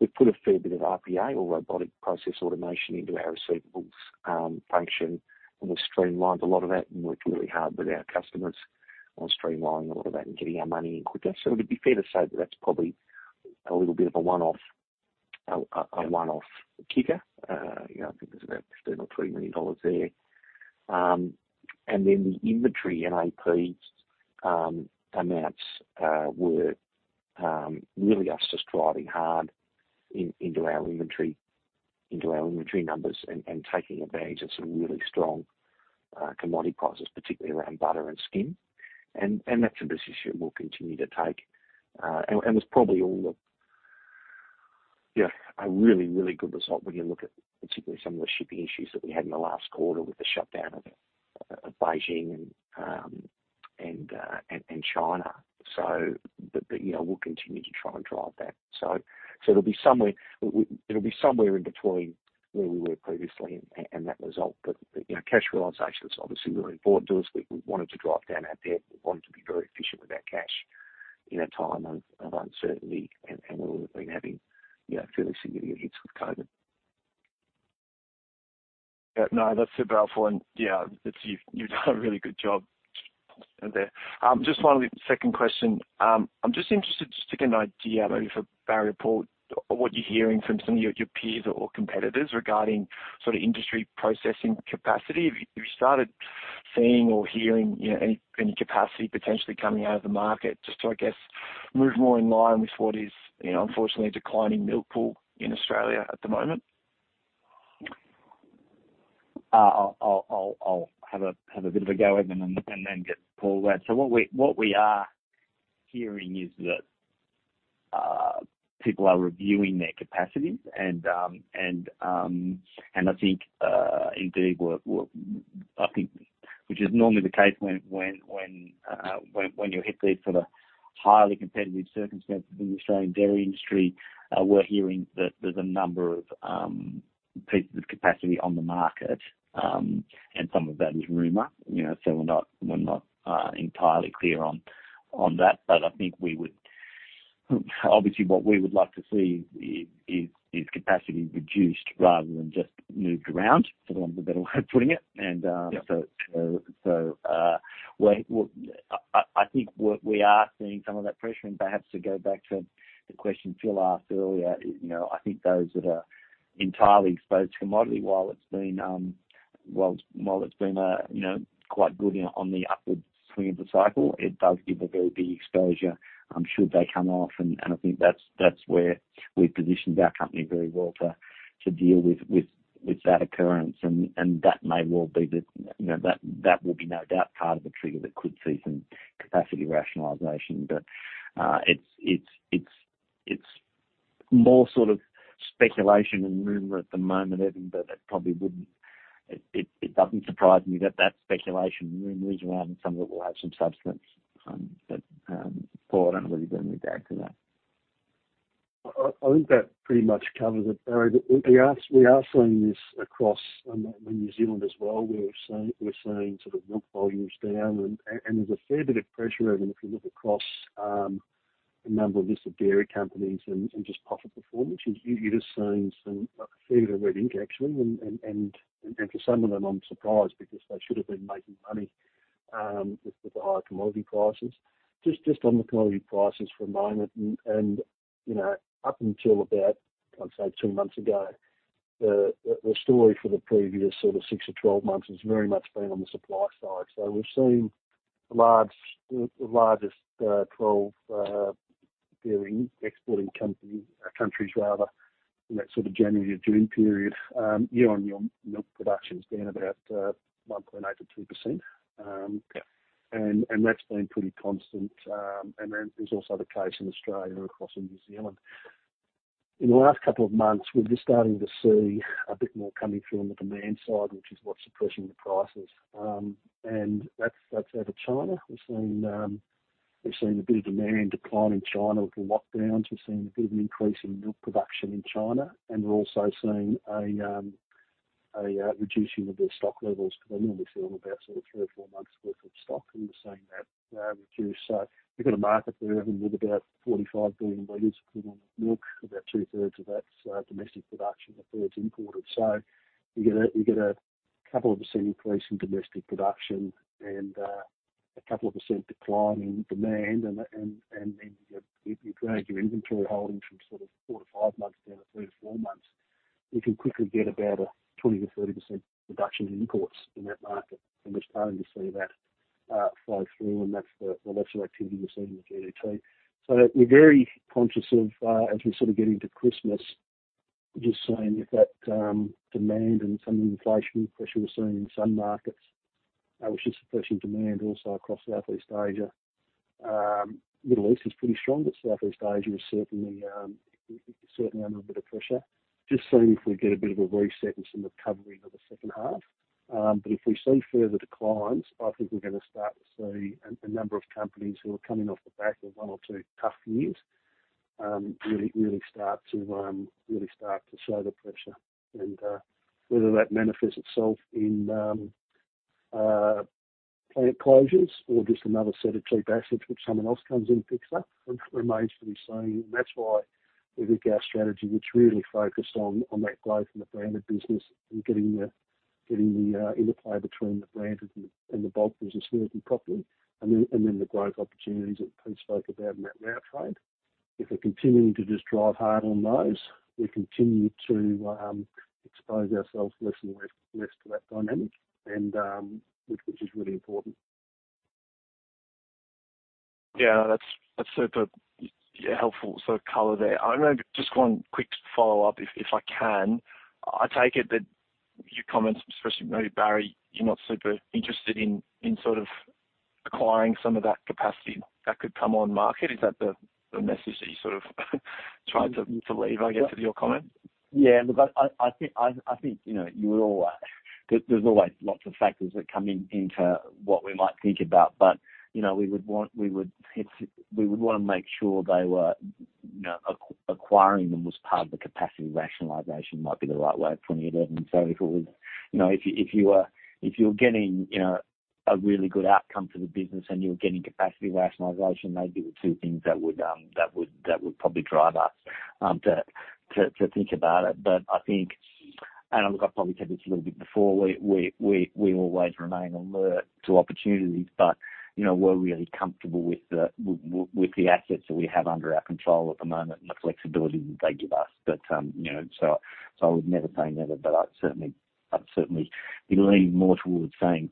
We've put a fair bit of RPA or robotic process automation into our receivables function, and we've streamlined a lot of that and worked really hard with our customers on streamlining a lot of that and getting our money in quicker. It'd be fair to say that that's probably a little bit of a one-off kicker. You know, I think there's about 15 million dollars or AUD 20 million there. Then the inventory and IPDs amounts were really us just driving hard into our inventory numbers and taking advantage of some really strong commodity prices, particularly around butter and skim. That's an issue we'll continue to take. It's probably all the, you know, a really good result when you look at particularly some of the shipping issues that we had in the last quarter with the shutdown of Beijing and China. You know, we'll continue to try and drive that. It'll be somewhere in between where we were previously and that result. You know, cash realization is obviously really important to us. We wanted to drive down our debt. We wanted to be very efficient with our cash in a time of uncertainty. We've been having, you know, fairly significant hits with COVID. Yeah. No, that's super helpful. Yeah, it's, you've done a really good job there. Just finally, the second question. I'm just interested just to get an idea maybe for Barry or Paul, what you're hearing from some of your peers or competitors regarding sort of industry processing capacity. Have you started seeing or hearing, you know, any capacity potentially coming out of the market? Just to, I guess, move more in line with what is, you know, unfortunately a declining milk pool in Australia at the moment. I'll have a bit of a go, Evan, and then get Paul to add. What we are hearing is that people are reviewing their capacities and I think indeed we're I think which is normally the case when you hit these sort of highly competitive circumstances in the Australian dairy industry, we're hearing that there's a number of pieces of capacity on the market and some of that is rumor, you know. We're not entirely clear on that, but I think we would. Obviously, what we would like to see is capacity reduced rather than just moved around, for the want of a better way of putting it. Yeah. I think we are seeing some of that pressure. Perhaps to go back to the question Phil asked earlier, you know, I think those that are entirely exposed to commodity, while it's been, you know, quite good on the upward swing of the cycle, it does give a very big exposure, should they come off. I think that's where we've positioned our company very well to deal with that occurrence. That may well be, you know, that will be no doubt part of the trigger that could see some capacity rationalization. It's more sort of speculation and rumor at the moment, Evan, but it probably wouldn't. It doesn't surprise me that speculation and rumor is around and some of it will have some substance. Paul, I don't know whether you've got anything to add to that. I think that pretty much covers it, Barry. We are seeing this across in New Zealand as well. We're seeing sort of milk volumes down and there's a fair bit of pressure, Evan, if you look across a number of listed dairy companies and just profit performance. You're just seeing some a fair bit of red ink actually. For some of them, I'm surprised because they should have been making money with the higher commodity prices. Just on the commodity prices for a moment and you know up until about I'd say 2 months ago the story for the previous sort of 6 or 12 months has very much been on the supply side. We've seen the largest 12 dairy exporting countries rather, in that sort of January to June period, year-on-year milk production is down about 1.8%-2%. Yeah. That's been pretty constant. It is also the case in Australia across from New Zealand. In the last couple of months, we're just starting to see a bit more coming through on the demand side, which is what's suppressing the prices. That's out of China. We've seen a bit of demand decline in China with the lockdowns. We've seen a bit of an increase in milk production in China, and we're also seeing a reducing of their stock levels because they normally sit on about sort of three or four months worth of stock, and we're seeing that reduce. You've got a market there, Evan, with about 45 billion liters of milk. About two-thirds of that's domestic production, a third's imported. You get a couple of percent increase in domestic production and a couple of percent decline in demand and then you drag your inventory holdings from sort of 4-5 months down to 3-4 months, you can quickly get about a 20%-30% reduction in imports in that market, and we're starting to see that flow through, and that's the, well, that's the activity we're seeing in the GDT. We're very conscious of as we sort of get into Christmas, just seeing if that demand and some of the inflationary pressure we're seeing in some markets, which is suppressing demand also across Southeast Asia. Middle East is pretty strong, but Southeast Asia is certainly under a bit of pressure. Just seeing if we get a bit of a reset and some recovery in the second half. If we see further declines, I think we're gonna start to see a number of companies who are coming off the back of one or two tough years, really start to show the pressure. Whether that manifests itself in plant closures or just another set of cheap assets which someone else comes in and picks up remains to be seen. That's why we think our strategy, which really focused on that growth in the branded business and getting the interplay between the branded and the bulk business working properly. Then the growth opportunities that Pete spoke about in that now frame. If we're continuing to just drive hard on those, we continue to expose ourselves less and less to that dynamic, which is really important. Yeah, that's super, yeah, helpful sort of color there. Maybe I just one quick follow-up if I can. I take it that your comments, especially maybe Barry, you're not super interested in sort of acquiring some of that capacity that could come on market. Is that the message that you sort of tried to leave, I guess, with your comment? I think, you know, you would always. There's always lots of factors that come into what we might think about. You know, we would want to make sure they were, you know, acquiring them was part of the capacity rationalization, might be the right way of putting it. If it was, you know, if you're getting, you know, a really good outcome for the business and you're getting capacity rationalization, maybe the two things that would probably drive us to think about it. I think, and look, I've probably said this a little bit before, we always remain alert to opportunities. You know, we're really comfortable with the assets that we have under our control at the moment and the flexibility that they give us. You know, so I would never say never, but I'd certainly be leaning more towards saying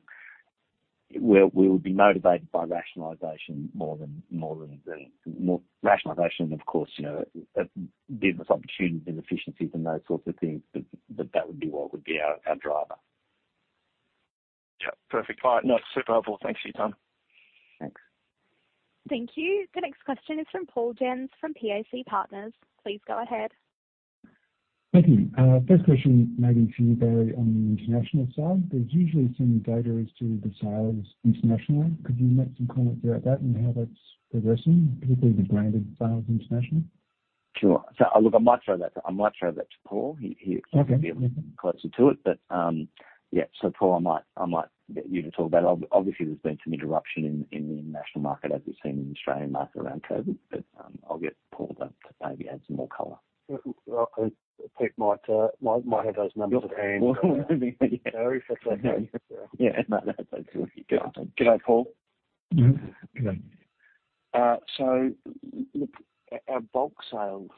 we would be motivated by rationalization more than rationalization, of course, you know, business opportunities and efficiencies and those sorts of things. That would be what would be our driver. Yeah. Perfect. No, super helpful. Thanks for your time. Thanks. Thank you. The next question is from Paul Jens from PAC Partners. Please go ahead. Thank you. First question, maybe for you, Barry, on the international side. There's usually some data as to the sales internationally. Could you make some comment about that and how that's progressing, particularly the branded sales internationally? Sure. Look, I might throw that to Paul. He Okay. Obviously be a bit closer to it. Paul, I might get you to talk about it. Obviously, there's been some interruption in the international market as we've seen in the Australian market around COVID. I'll get Paul to maybe add some more color. Well, Pete might have those numbers at hand. Yeah. If that's okay. Yeah. No, no, that's all good. G'day, Paul. GoodDay. Look, our bulk sales,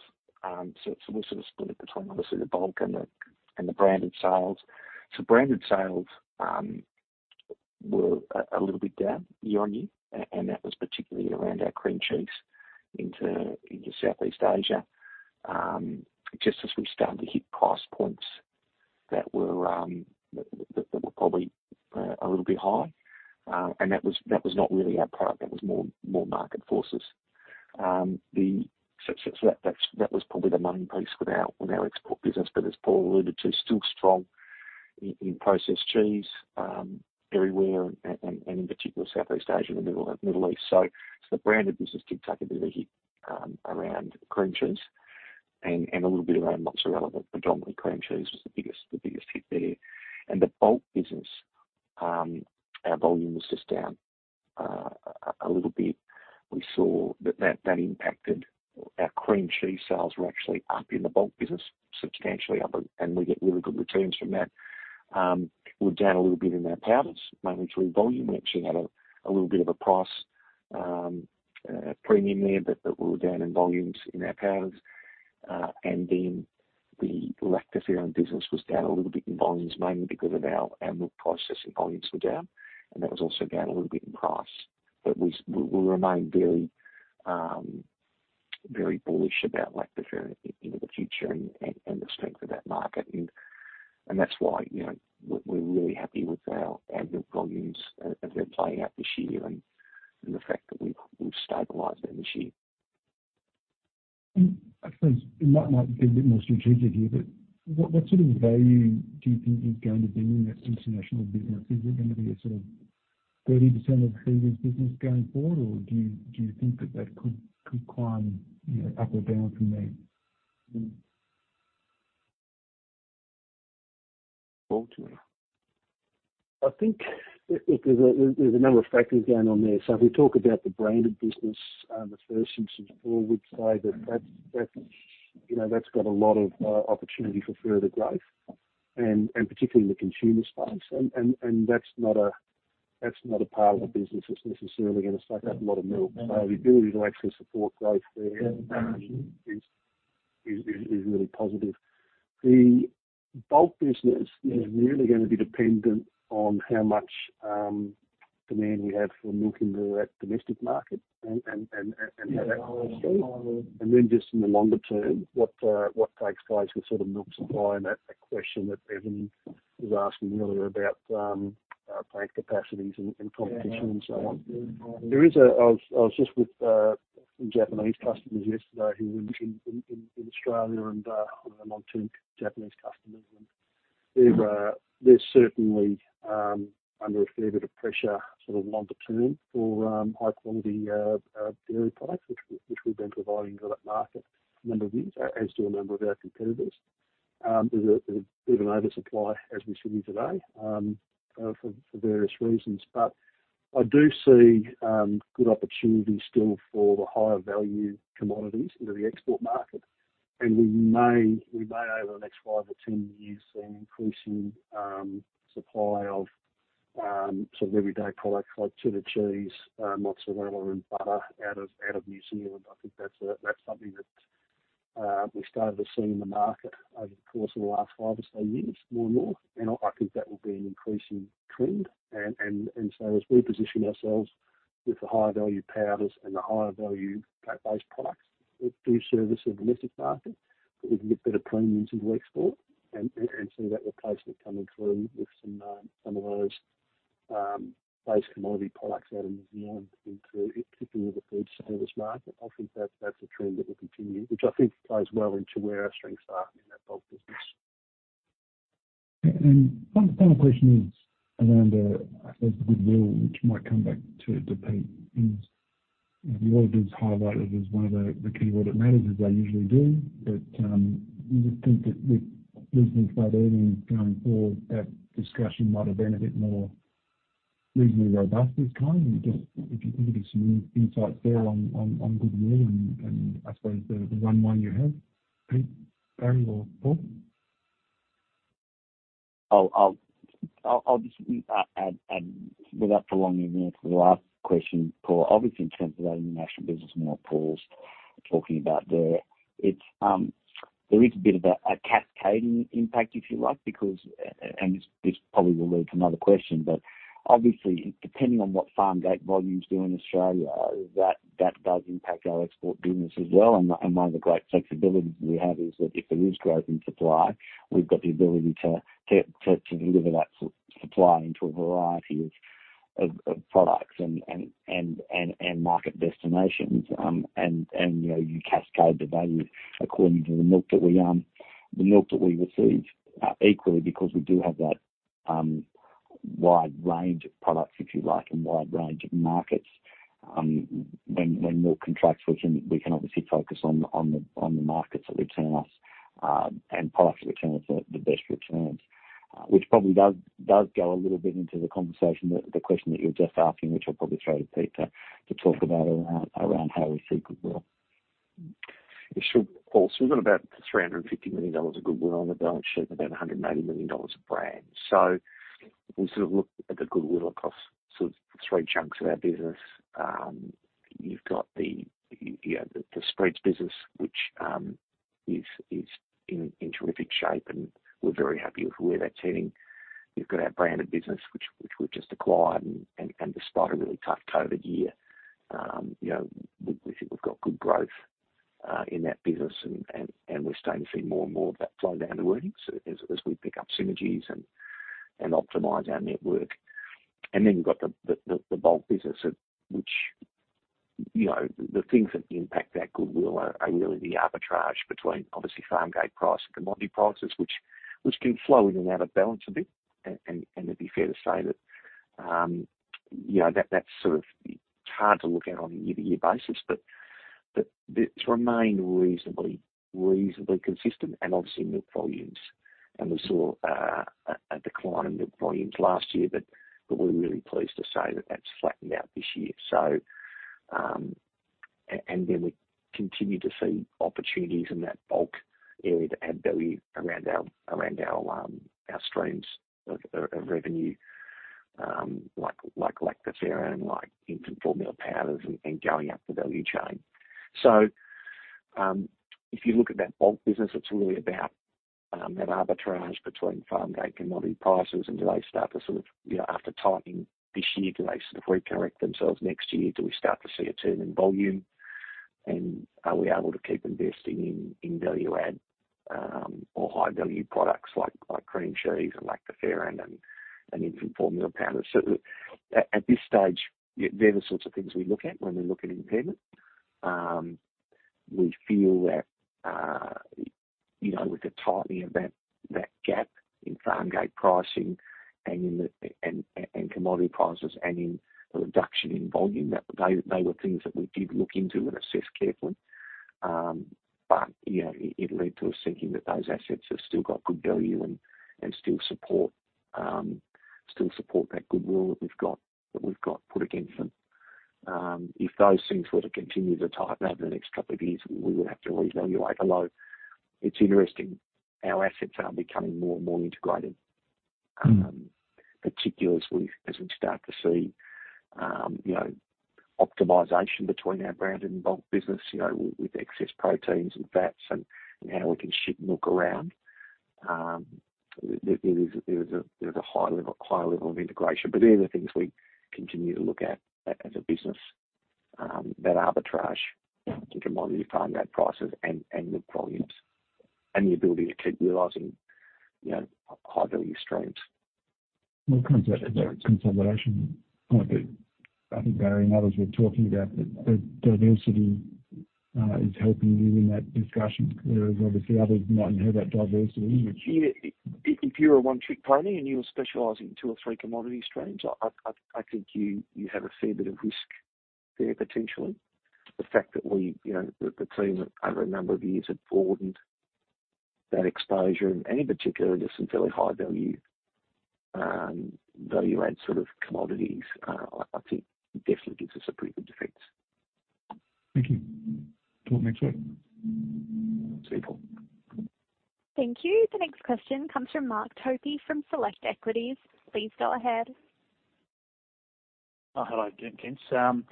we're sort of split between obviously the bulk and the branded sales. Branded sales were a little bit down year on year, and that was particularly around our cream cheese into Southeast Asia, just as we started to hit price points that were probably a little bit high. That was not really our product, that was more market forces. That was probably the main piece with our export business. As Paul alluded to, still strong in processed cheese everywhere and in particular Southeast Asia and the Middle East. The branded business did take a bit of a hit around cream cheese and a little bit around mozzarella, but predominantly cream cheese was the biggest hit there. The bulk business, our volume was just down a little bit. We saw that impacted our cream cheese sales were actually up in the bulk business, substantially up, and we get really good returns from that. We're down a little bit in our powders, mainly through volume. We actually had a little bit of a price premium there, but we were down in volumes in our powders. The lactoferrin business was down a little bit in volumes, mainly because of our milk processing volumes were down, and that was also down a little bit in price. We remain very bullish about lactoferrin into the future and the strength of that market. That's why, you know, we're really happy with our annual volumes as they're playing out this year and the fact that we've stabilized them this year. I suppose it might be a bit more strategic here, but what sort of value do you think is going to be in that international business? Is it going to be a sort of 30% of the previous business going forward, or do you think that that could climb, you know, up or down from there? Volatile. I think there's a number of factors going on there. If we talk about the branded business, the first instance, Paul would say that that's, you know, that's got a lot of opportunity for further growth and that's not a part of the business that's necessarily going to soak up a lot of milk. The ability to actually support growth there is really positive. The bulk business is really going to be dependent on how much demand we have for milk into that domestic market and how that grows. Then just in the longer term, what takes place with sort of milk supply and that question that Evan was asking earlier about plant capacities and competition and so on. I was just with some Japanese customers yesterday who were in Australia and long-term Japanese customers, and they're certainly under a fair bit of pressure sort of longer term for high-quality dairy products, which we've been providing to that market for a number of years, as do a number of our competitors. There's an oversupply, as we see today, for various reasons. I do see good opportunity still for the higher value commodities into the export market. We may over the next 5 or 10 years see an increasing supply of sort of everyday products like cheddar cheese, mozzarella and butter out of New Zealand. I think that's something that we started to see in the market over the course of the last five or so years more and more, and I think that will be an increasing trend. As we position ourselves with the higher value powders and the higher value base products, we do service the domestic market, but we can get better premiums into export and see that replacement coming through with some of those base commodity products out of New Zealand into particularly the food service market. I think that's a trend that will continue, which I think plays well into where our strengths are in that bulk business. One final question is around, I suppose, goodwill, which might come back to Pete. The audit is highlighted as one of the key audit matters, as they usually do. But you would think that with business by earnings going forward, that discussion might have been a bit more reasonably robust this time. If you could give some insight there on goodwill and I suppose the runway you have, Pete, Barry or Paul. I'll just add without prolonging it for the last question, Paul. Obviously, in terms of our international business and what Paul's talking about there, it's there is a bit of a cascading impact, if you like, because and this probably will lead to another question. Obviously, depending on what farm gate volumes do in Australia, that does impact our export business as well. One of the great flexibilities we have is that if there is growth in supply, we've got the ability to deliver that supply into a variety of products and market destinations. You know, you cascade the value according to the milk that we receive. Equally because we do have that wide range of products, if you like, and wide range of markets, when milk contracts, we can obviously focus on the markets that return us and products that return us the best returns. Which probably does go a little bit into the conversation, the question that you were just asking, which I'll probably throw to Pete to talk about around how we see goodwill. Sure, Paul. We've got about 350 million dollars of goodwill on the balance sheet and about 180 million dollars of brand. If we sort of look at the goodwill across sort of three chunks of our business, you've got the, you know, the spreads business, which is in terrific shape, and we're very happy with where that's heading. You've got our branded business which we've just acquired. Despite a really tough COVID year, you know, we think we've got good growth in that business and we're starting to see more and more of that flow down to earnings as we pick up synergies and optimize our network. You've got the bulk business at which, you know, the things that impact that goodwill are really the arbitrage between obviously farm gate price and commodity prices, which can flow in and out of balance a bit. It'd be fair to say that, you know, that's sort of hard to look at on a year-to-year basis, but it's remained reasonably consistent and obviously milk volumes. We saw a decline in milk volumes last year. We're really pleased to say that that's flattened out this year. We continue to see opportunities in that bulk area to add value around our streams of revenue, like lactoferrin, like infant formula powders and going up the value chain. If you look at that bulk business, it's really about that arbitrage between farm gate commodity prices and do they start to sort of, you know, after tightening this year, do they sort of re-correct themselves next year? Do we start to see a turn in volume? And are we able to keep investing in value add or high-value products like cream cheese and lactoferrin and infant formula powder. At this stage, they're the sorts of things we look at when we look at impairment. We feel that, you know, with the tightening of that gap in farm gate pricing and in the commodity prices and in the reduction in volume, that they were things that we did look into and assess carefully. You know, it led to us thinking that those assets have still got good value and still support that good will that we've got put against them. If those things were to continue to tighten over the next couple of years, we would have to reevaluate. Although, it's interesting, our assets are becoming more and more integrated. Mm. Particularly as we start to see, you know, optimization between our branded and bulk business, you know, with excess proteins and fats and how we can shift milk around. There is a high level of integration. They're the things we continue to look at, as a business, that arbitrage. Yeah. to commodity farm gate prices and with volumes, and the ability to keep realizing, you know, high-value streams. Consolidation point that I think Barry and others were talking about, that diversity is helping you in that discussion. Whereas obviously others mightn't have that diversity, which Yeah, if you're a one-trick pony, and you're specializing in two or three commodity streams, I think you have a fair bit of risk there potentially. The fact that we, you know, the team over a number of years have broadened that exposure, and in particular to some fairly high-value, value-add sort of commodities, I think definitely gives us a pretty good defense. Thank you. Talk next week. See you, Paul. Thank you. The next question comes from Mark Topy from Select Equities. Please go ahead. Oh, hello again, gents.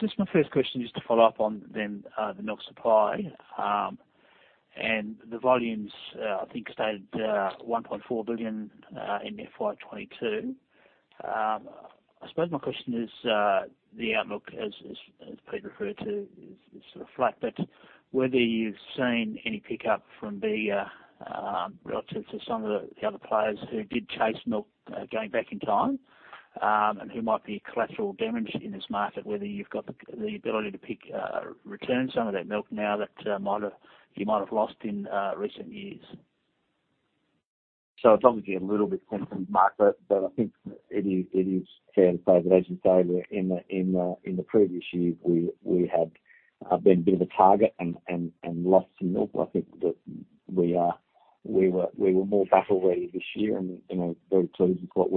Just my first question, just to follow up on that, the milk supply and the volumes, I think stayed 1.4 billion in FY22. I suppose my question is, the outlook as Pete referred to is sort of flat, but whether you've seen any pickup from Bega relative to some of the other players who did chase milk going back in time and who might be collateral damage in this market. Whether you've got the ability to pick up some of that milk now that you might have lost in recent years. It's obviously a little bit tempting, Mark, but I think it is fair to say that, as you say, in the previous year, we had been a bit of a target and lost some milk. I think that we were more battle ready this year and, you know, very pleased with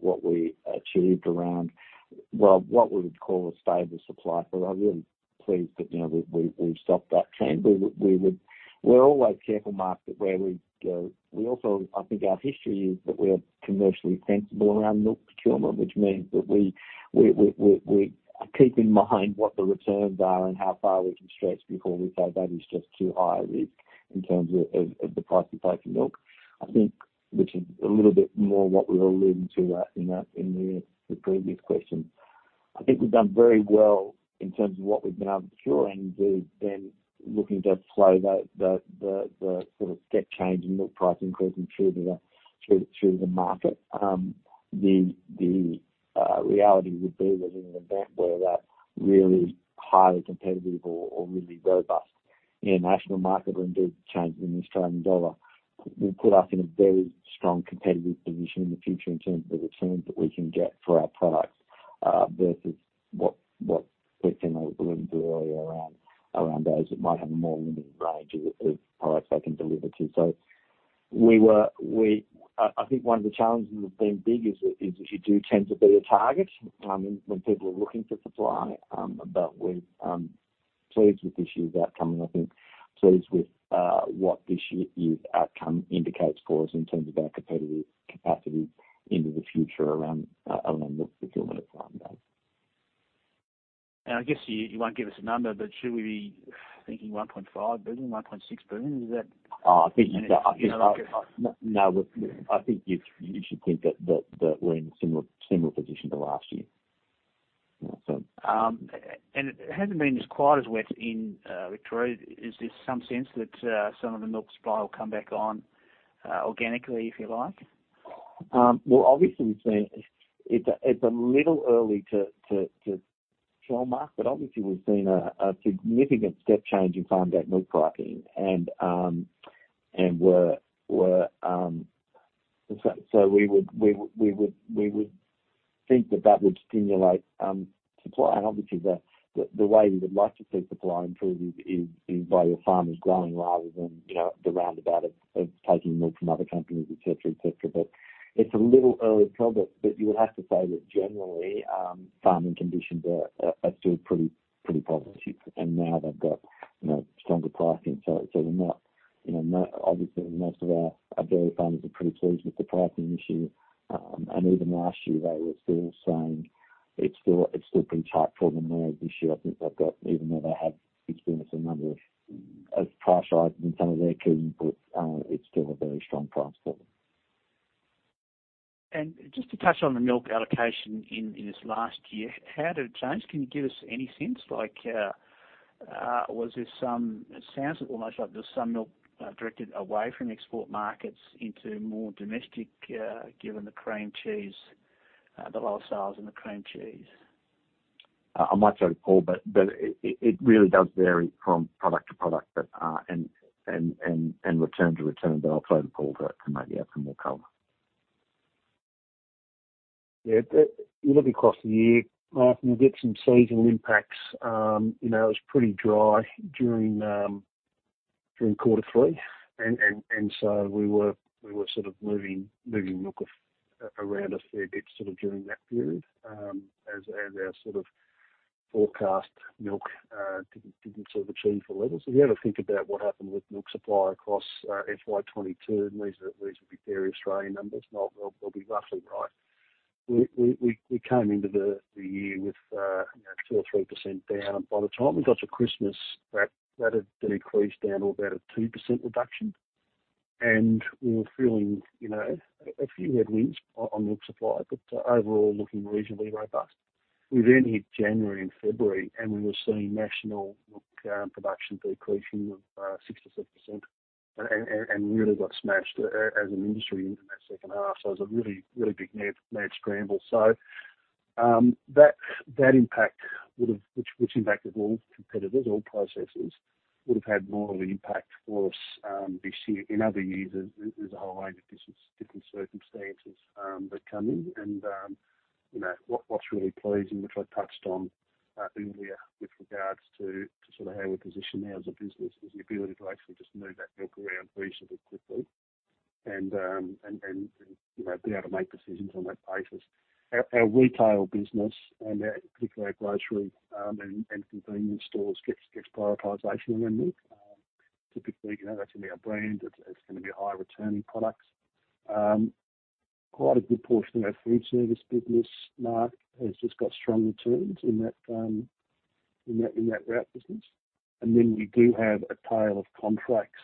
what we achieved around, well, what we would call a stable supply. I'm really pleased that, you know, we've stopped that trend. We would. We're always careful, Mark, that where we go, we also. I think our history is that we're commercially sensible around milk procurement, which means that we keep in mind what the returns are and how far we can stretch before we say, "That is just too high risk," in terms of the price we pay for milk. I think, which is a little bit more what we were alluding to in the previous question. I think we've done very well in terms of what we've been able to procure and do, then looking to flow that the sort of step change in milk price increase through to the market. The reality would be that in an event where that really highly competitive or really robust international market were indeed to change in the Australian dollar, will put us in a very strong competitive position in the future in terms of the returns that we can get for our products, versus what Pete and I were alluding to earlier around those that might have a more limited range of products they can deliver to. I think one of the challenges of being big is that you do tend to be a target when people are looking for supply. I'm pleased with this year's outcome and I think what this year's outcome indicates for us in terms of our competitive capacity into the future around milk procurement at farm gate. I guess you won't give us a number, but should we be thinking 1.5 billion-1.6 billion? Is that Oh, I think. You know, like. No, look, I think you should think that we're in a similar position to last year. Yeah, so. It hasn't been quite as wet in Victoria. In some sense that some of the milk supply will come back on organically if you like? Well, it's a little early to tell, Mark, but obviously we've seen a significant step change in farm gate milk pricing. We would think that that would stimulate supply. Obviously the way we would like to see supply improve is by your farmers growing rather than, you know, the roundabout of taking milk from other companies, et cetera, et cetera. It's a little early to tell, but you would have to say that generally farming conditions are still pretty positive. Now they've got, you know, stronger pricing. Obviously most of our dairy farmers are pretty pleased with the pricing this year. Even last year they were still saying it's still pretty tight for them. Now this year I think they've got, even though they have experienced a number of price rises in some of their key inputs, it's still a very strong price for them. Just to touch on the milk allocation in this last year, how did it change? Can you give us any sense? Like, it sounds almost like there's some milk directed away from export markets into more domestic, given the low sales in the cream cheese. I might throw to Paul, but it really does vary from product to product, but return to return. I'll throw to Paul to maybe add some more color. Yeah, that, if you look across the year, you'll get some seasonal impacts. You know, it was pretty dry during quarter three. We were sort of moving milk around a fair bit during that period, as our sort of forecast milk didn't sort of achieve the levels. If you had to think about what happened with milk supply across FY22, and these will be very Australian numbers. They'll be roughly right. We came into the year with, you know, 2 or 3% down. By the time we got to Christmas, that had decreased down to about a 2% reduction. We were feeling, you know, a few headwinds on milk supply, but overall looking reasonably robust. We hit January and February, and we were seeing national milk production decreasing of 6%-7%. Really got smashed as an industry in that second half. It was a really big mad scramble. That impact, which impacted all competitors, all processors, would have had more of an impact for us this year. In other years, there's a whole range of business, different circumstances that come in and you know, what's really pleasing, which I touched on earlier with regards to how we position now as a business, is the ability to actually just move that milk around reasonably quickly and you know, be able to make decisions on that basis. Our retail business and particularly our grocery and convenience stores gets prioritization around milk. Typically, you know, that's going to be our brand, it's gonna be high returning products. Quite a good portion of our food service business, Mark, has just got strong returns in that route business. Then we do have a tail of contracts,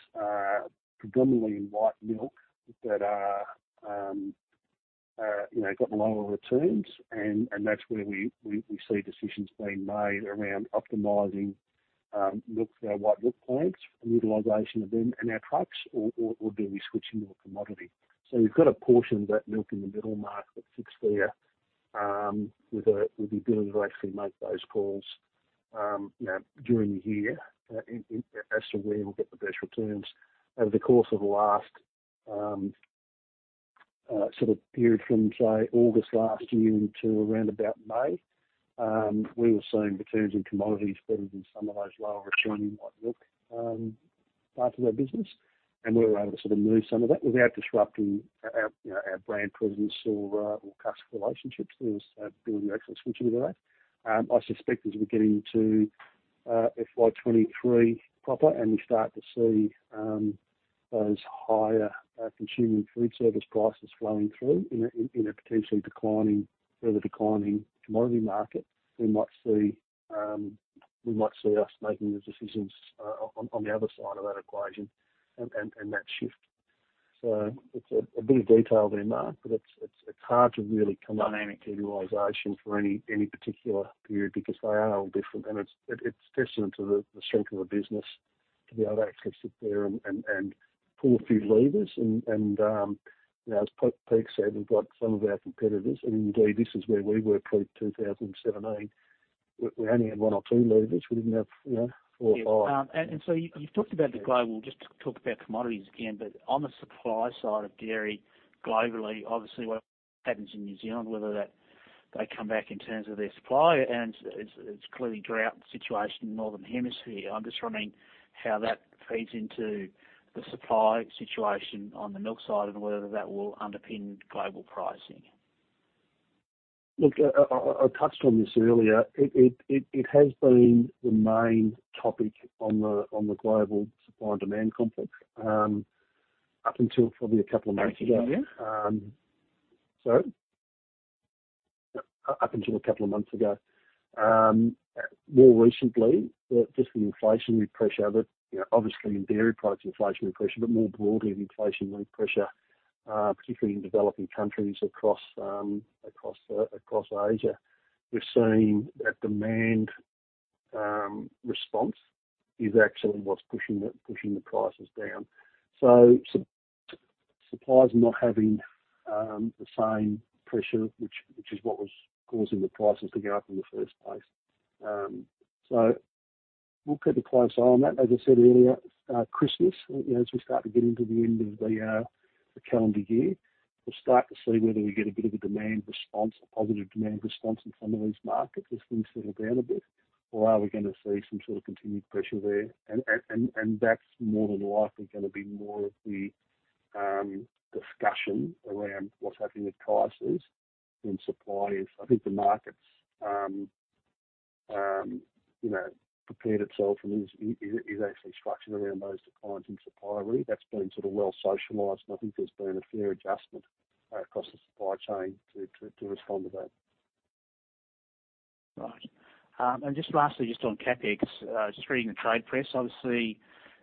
predominantly in white milk that are, you know, got lower returns and that's where we see decisions being made around optimizing milk for our white milk plants, for the utilization of them and our trucks or do we switch into a commodity. We've got a portion of that milk in the middle, Mark, that sits there with the ability to actually make those calls, you know, during the year in as to where we'll get the best returns. Over the course of the last sort of period from, say, August last year to around about May, we were seeing returns in commodities better than some of those lower returning white milk parts of our business, and we were able to sort of move some of that without disrupting our brand presence or customer relationships. There was ability to actually switch into that. I suspect as we get into FY23 proper and we start to see those higher consumer and food service prices flowing through in a potentially declining, further declining commodity market, we might see us making the decisions on the other side of that equation and that shift. It's a bit of detail there, Mark, but it's hard to really come to any categorization for any particular period because they are all different and it's testament to the strength of the business to be able to actually sit there and pull a few levers. You know, as Pete said, we've got some of our competitors, and indeed this is where we were through 2017. We only had one or two levers. We didn't have, you know, four or five. Yeah. You've talked about the global, just talk about commodities again, but on the supply side of dairy globally, obviously what happens in New Zealand, whether that they come back in terms of their supply and it's clearly drought situation in the Northern Hemisphere. I'm just wondering how that feeds into the supply situation on the milk side and whether that will underpin global pricing. Look, I touched on this earlier. It has been the main topic on the global supply and demand complex up until a couple of months ago. More recently, just the inflationary pressure that, you know, obviously in dairy products inflationary pressure, but more broadly an inflationary pressure, particularly in developing countries across Asia. We're seeing that demand response is actually what's pushing the prices down. Suppliers not having the same pressure, which is what was causing the prices to go up in the first place. We'll keep a close eye on that. As I said earlier, Christmas, you know, as we start to get into the end of the calendar year, we'll start to see whether we get a bit of a demand response, a positive demand response in some of these markets as things settle down a bit or are we gonna see some sort of continued pressure there? That's more than likely gonna be more of the discussion around what's happening with prices and suppliers. I think the market's, you know, prepared itself and is actually structured around those declines in supply really. That's been sort of well socialized, and I think there's been a fair adjustment across the supply chain to respond to that. Right. Just lastly, just on CapEx, just reading the trade press, obviously,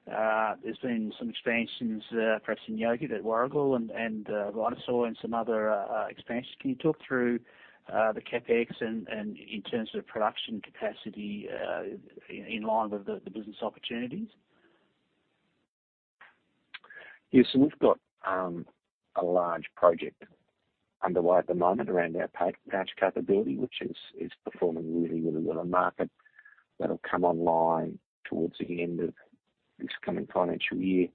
there's been some expansions, perhaps in yogurt at Warragul and Rhinosol and some other expansions. Can you talk through the CapEx and in terms of production capacity in line with the business opportunities? Yes. We've got a large project underway at the moment around our patch capability, which is performing really well in market. That'll come online towards the end of this coming financial year.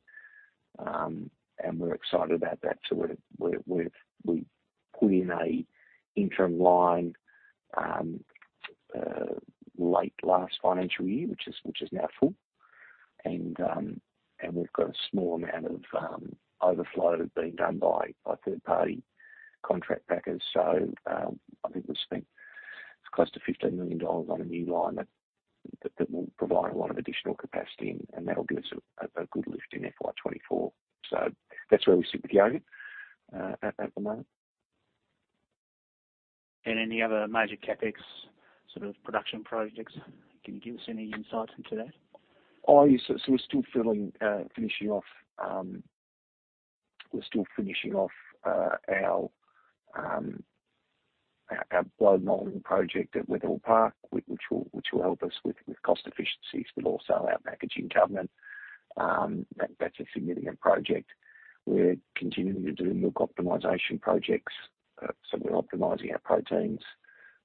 We're excited about that. We've put in an interim line late last financial year, which is now full. We've got a small amount of overflow being done by third-party contract packers. I think we'll spend close to 15 million dollars on a new line that will provide a lot of additional capacity, and that'll give us a good lift in FY24. That's where we sit with yogurt at the moment. Any other major CapEx sort of production projects? Can you give us any insight into that? Yes. We're still finishing off our blow molding project at Wetherill Park, which will help us with cost efficiencies, but also our packaging covenant. That's a significant project. We're continuing to do milk optimization projects. We're optimizing our proteins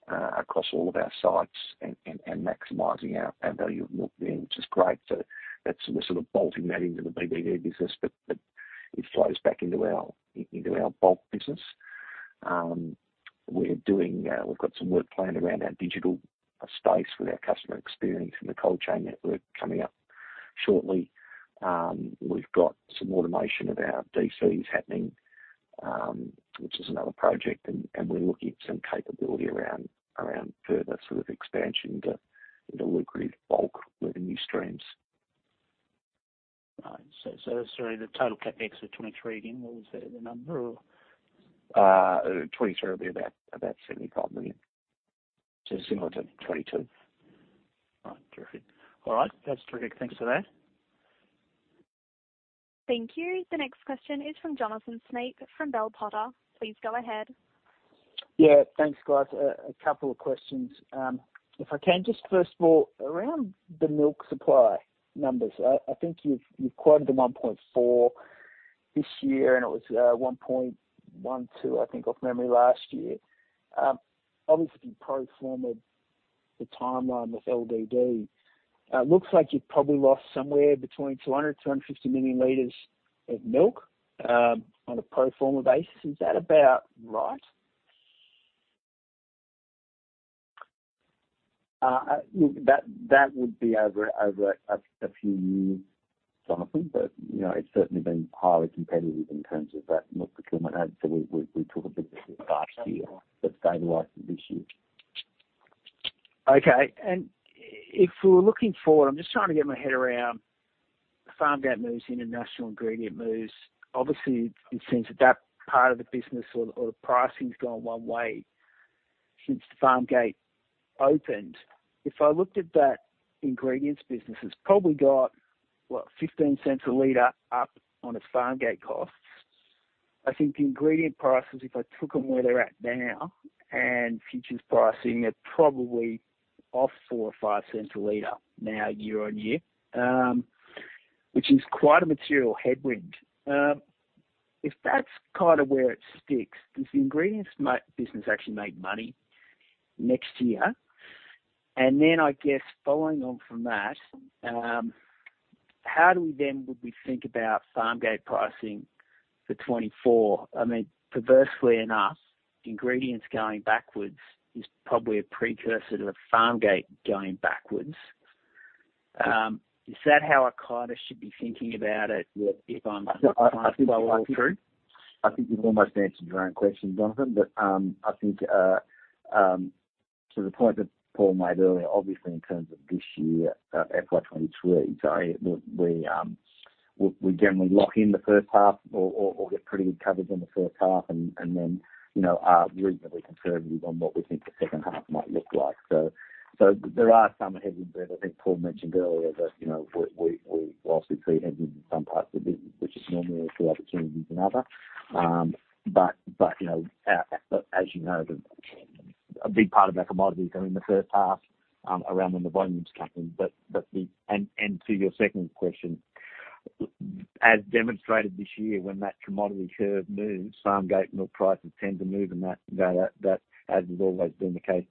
across all of our sites and maximizing our value of milk there, which is great. We're sort of bolting that into the BDD business, but it flows back into our bulk business. We've got some work planned around our digital space with our customer experience and the cold chain network coming up shortly. We've got some automation of our DCs happening, which is another project, and we're looking at some capability around further sort of expansion into lucrative bulk revenue streams. All right. Sorry, the total CapEx for 23 again, what was that, the number or? 2023 will be about 75 million. Similar to 2022. All right. Terrific. All right. That's terrific. Thanks for that. Thank you. The next question is from Jonathan Snape from Bell Potter. Please go ahead. Yeah, thanks, guys. A couple of questions, if I can. Just first of all, around the milk supply numbers, I think you've quoted the 1.4 this year, and it was 1.12, I think, from memory last year. Obviously pro forma'd the timeline with LDD. It looks like you've probably lost somewhere between 200-250 million liters of milk, on a pro forma basis. Is that about right? Look, that would be over a few years, Jonathan. You know, it's certainly been highly competitive in terms of that milk procurement. We took a bit last year but stabilized it this year. Okay. If we were looking forward, I'm just trying to get my head around farm gate moves, international ingredient moves. Obviously, it seems that that part of the business or the pricing's gone one way since the farm gate opened. If I looked at that ingredients business, it's probably got, what, 0.15 a liter up on its farm gate costs. I think ingredient prices, if I took them where they're at now and futures pricing, are probably off 0.04 or 0.05 a liter now year-on-year, which is quite a material headwind. If that's kind of where it sticks, does the ingredients business actually make money next year? I guess following on from that, how would we think about farm gate pricing for 2024? I mean, perversely enough, ingredients going backwards is probably a precursor to a farm gate going backwards. Is that how I kinda should be thinking about it, that if I'm- I think you've almost answered your own question, Jonathan. I think to the point that Paul made earlier, obviously in terms of this year, FY23, so we generally lock in the first half or get pretty good coverage on the first half and then, you know, are reasonably conservative on what we think the second half might look like. There are some headwinds there that I think Paul mentioned earlier, you know, we while we see headwinds in some parts of the business, which is normally we see opportunities in other. You know, as you know, a big part of our commodities are in the first half, around when the volumes come in. To your second question, as demonstrated this year, when that commodity curve moves, farm gate milk prices tend to move and that, you know, as has always been the case,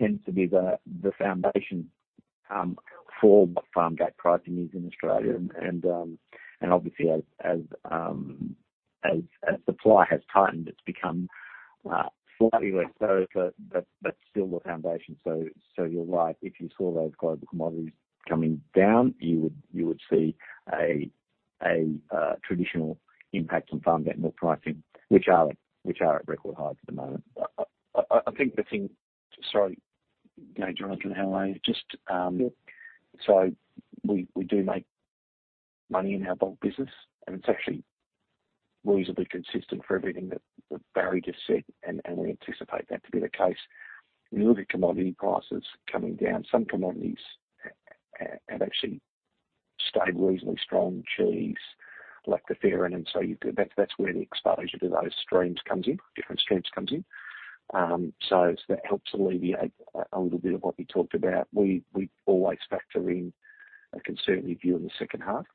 tends to be the foundation for what farm gate pricing is in Australia. Obviously as supply has tightened, it's become slightly less so, but that's still the foundation. You're right. If you saw those global commodities coming down, you would see a traditional impact on farm gate milk pricing, which are at record highs at the moment. I think the thing. Sorry, you know, Jonathan, how I just Yeah. We do make money in our bulk business, and it's actually reasonably consistent for everything that Barry just said, and we anticipate that to be the case. You look at commodity prices coming down, some commodities have actually stayed reasonably strong, cheese, lactoferrin. That's where the exposure to those streams comes in, different streams come in. That helps alleviate a little bit of what we talked about. We always factor in a conservative view in the second half.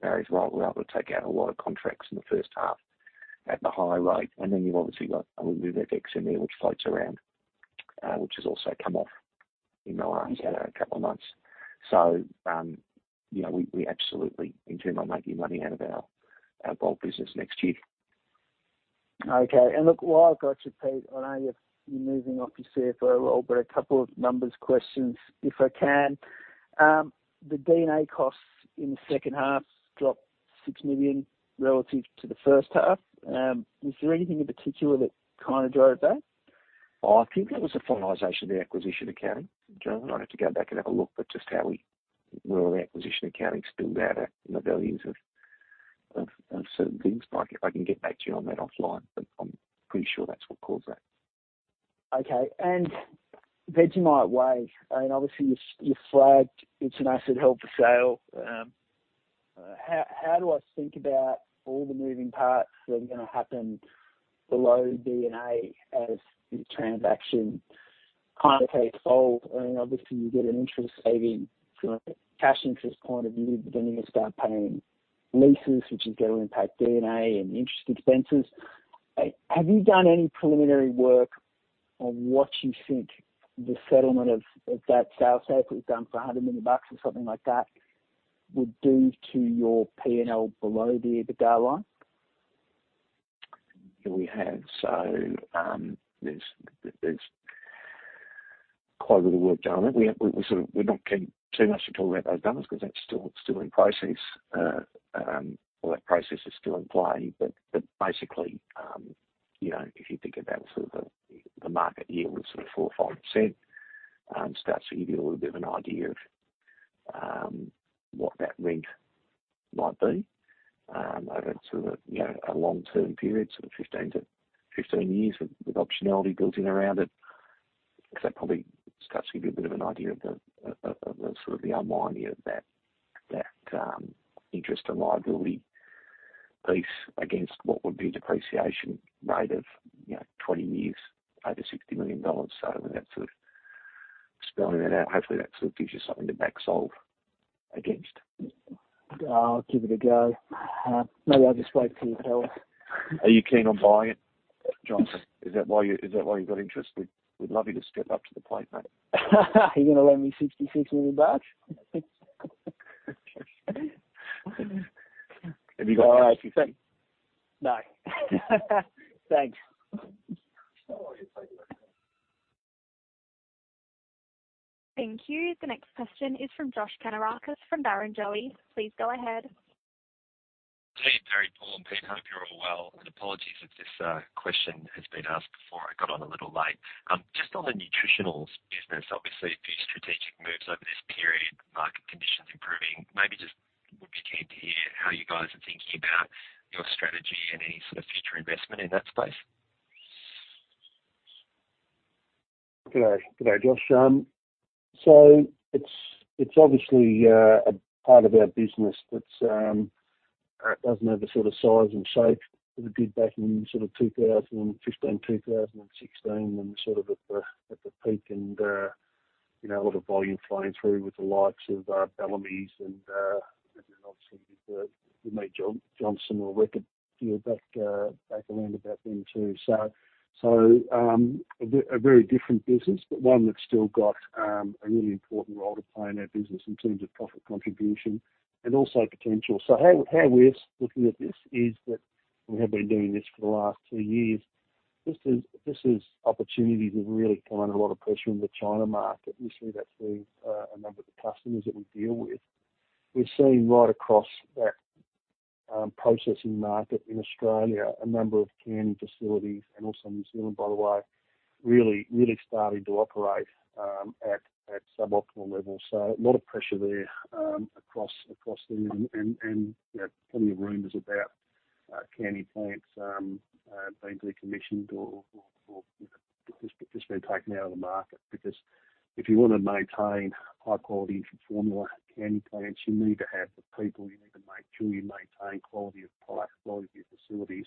Barry's right. We're able to take out a lot of contracts in the first half at the high rate. Then you've obviously got a little bit of X in there which floats around. Which has also come off in the last couple of months. You know, we absolutely intend on making money out of our bulk business next year. Okay. Look, while I've got you, Pete, I know you're moving off your CFO role, but a couple of numbers questions, if I can. The D&A costs in the second half dropped 6 million relative to the first half. Is there anything in particular that kinda drove that? I think it was a finalization of the acquisition accounting, Jonathan. I'd have to go back and have a look, but just where our acquisition accounting spilled out at, you know, billions of certain things. I can get back to you on that offline, but I'm pretty sure that's what caused that. Okay. Vegemite Way, I mean, obviously, you flagged it's an asset held for sale. How do I think about all the moving parts that are gonna happen below D&A as the transaction kinda plays forward? I mean, obviously, you get an interest saving from a cash interest point of view, but then you're gonna start paying leases, which is gonna impact D&A and interest expenses. Have you done any preliminary work on what you think the settlement of that sale cycle, if it's done for 100 million bucks or something like that, would do to your P&L below the EBITDA line? Yeah, we have. There's quite a bit of work done on it. We're not keen too much to talk about those numbers because that's still in process. That process is still in play. Basically, you know, if you think about sort of the market yield of sort of 4 or 5%, starts to give you a little bit of an idea of what that rent might be, over sort of, you know, a long-term period, sort of 15 to 15 years with optionality built in around it. Because that probably starts to give you a bit of an idea of the sort of underlying here of that interest and liability piece against what would be a depreciation rate of, you know, 20 years over 60 million dollars. I mean that's sort of spelling it out. Hopefully, that sort of gives you something to back solve against. I'll give it a go. Maybe I'll just wait for your tell. Are you keen on buying it, Jonathan? Is that why you got interested? We'd love you to step up to the plate, mate. You gonna lend me 66 million bucks? Have you got an RFC? No. Thanks. Thank you. The next question is from Josh Kannourakis from Barrenjoey. Please go ahead. Hey, Barry, Paul, and Pete. Hope you're all well. Apologies if this question has been asked before. I got on a little late. Just on the Nutritionals business, obviously, a few strategic moves over this period, market conditions improving. Maybe just would be keen to hear how you guys are thinking about your strategy and any sort of future investment in that space. GoodDay, Josh. It's obviously a part of our business that's doesn't have the sort of size and shape that it did back in sort of 2015, 2016 when we're sort of at the peak and you know, a lot of volume flowing through with the likes of Bellamy's and then obviously with Mead Johnson acquisition a few back around about then too. A very different business, but one that's still got a really important role to play in our business in terms of profit contribution and also potential. How we're looking at this is that we have been doing this for the last two years. These opportunities have really come under a lot of pressure in the China market. Usually, that's a number of the customers that we deal with. We've seen right across that processing market in Australia, a number of canning facilities, and also New Zealand, by the way, really starting to operate at suboptimal levels. So a lot of pressure there across them and you know plenty of rumors about canning plants being decommissioned or you know just being taken out of the market. Because if you wanna maintain high quality infant formula canning plants, you need to have the people, you need to make sure you maintain quality of product, quality of your facilities,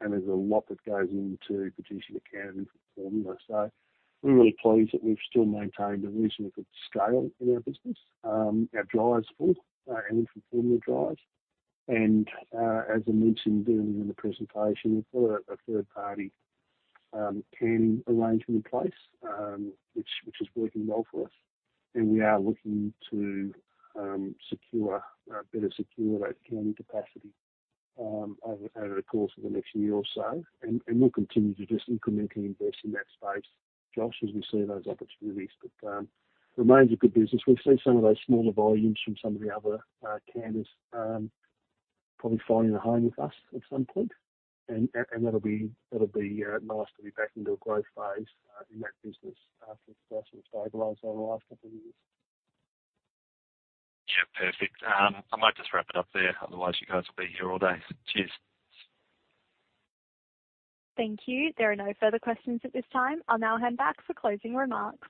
and there's a lot that goes into producing a canning infant formula. We're really pleased that we've still maintained a reasonably good scale in our business. Our drive's full, our infant formula drive. As I mentioned during the presentation, we've got a third-party canning arrangement in place, which is working well for us. We are looking to better secure that canning capacity over the course of the next year or so. We'll continue to just incrementally invest in that space, Josh, as we see those opportunities. Remains a good business. We've seen some of those smaller volumes from some of the other canners, probably finding a home with us at some point. That'll be nice to be back into a growth phase in that business after it's sort of stabilized over the last couple of years. Yeah, perfect. I might just wrap it up there. Otherwise, you guys will be here all day. Cheers. Thank you. There are no further questions at this time. I'll now hand back for closing remarks.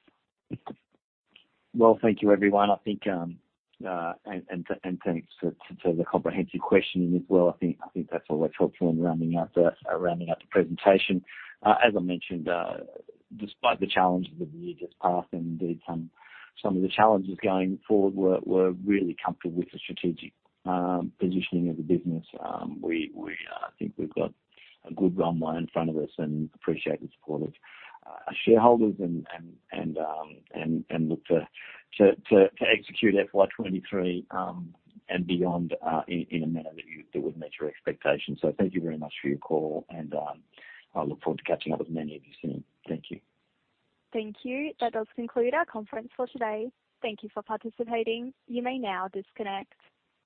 Well, thank you, everyone. I think and thanks to the comprehensive questioning as well. I think that's all that's helpful in rounding up the presentation. As I mentioned, despite the challenges of the year just passed and indeed some of the challenges going forward, we're really comfortable with the strategic positioning of the business. I think we've got a good runway in front of us and appreciate the support of our shareholders and look to execute FY23 and beyond in a manner that would meet your expectations. Thank you very much for your call, and I look forward to catching up with many of you soon. Thank you. Thank you. That does conclude our conference for today. Thank you for participating. You may now disconnect.